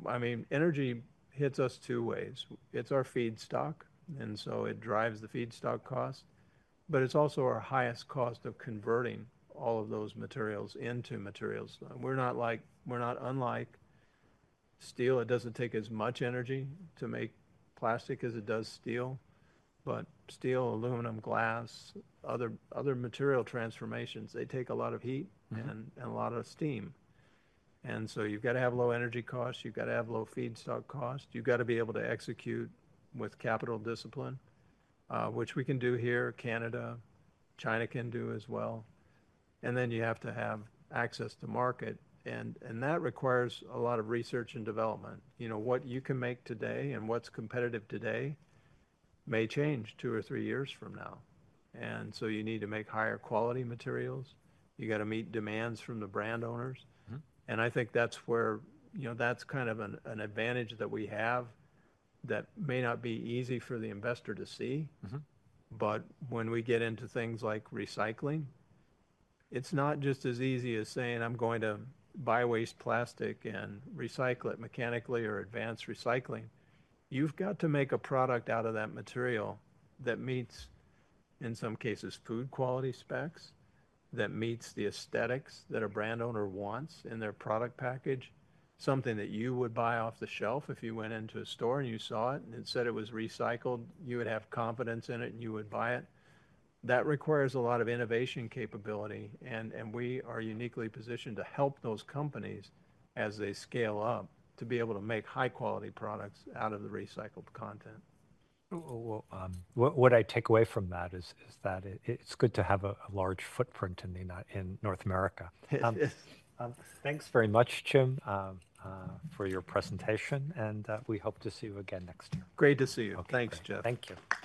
I mean, energy hits us two ways. It's our feedstock. And so it drives the feedstock cost. But it's also our highest cost of converting all of those materials into materials. We're not unlike steel. It doesn't take as much energy to make plastic as it does steel. Steel, aluminum, glass, other material transformations, they take a lot of heat and a lot of steam. So you've got to have low energy costs. You've got to have low feedstock costs. You've got to be able to execute with capital discipline, which we can do here. Canada, China can do as well. Then you have to have access to market. And that requires a lot of research and development. What you can make today and what's competitive today may change two or three years from now. So you need to make higher-quality materials. You've got to meet demands from the brand owners. And I think that's kind of an advantage that we have that may not be easy for the investor to see. But when we get into things like recycling, it's not just as easy as saying, "I'm going to buy waste plastic and recycle it mechanically or advanced recycling." You've got to make a product out of that material that meets, in some cases, food-quality specs, that meets the aesthetics that a brand owner wants in their product package, something that you would buy off the shelf if you went into a store and you saw it and said it was recycled. You would have confidence in it, and you would buy it. That requires a lot of innovation capability. And we are uniquely positioned to help those companies as they scale up to be able to make high-quality products out of the recycled content. Well, what I take away from that is that it's good to have a large footprint in North America. Thanks very much, Jim, for your presentation. We hope to see you again next year. Great to see you. Thanks, Jeff. Thank you.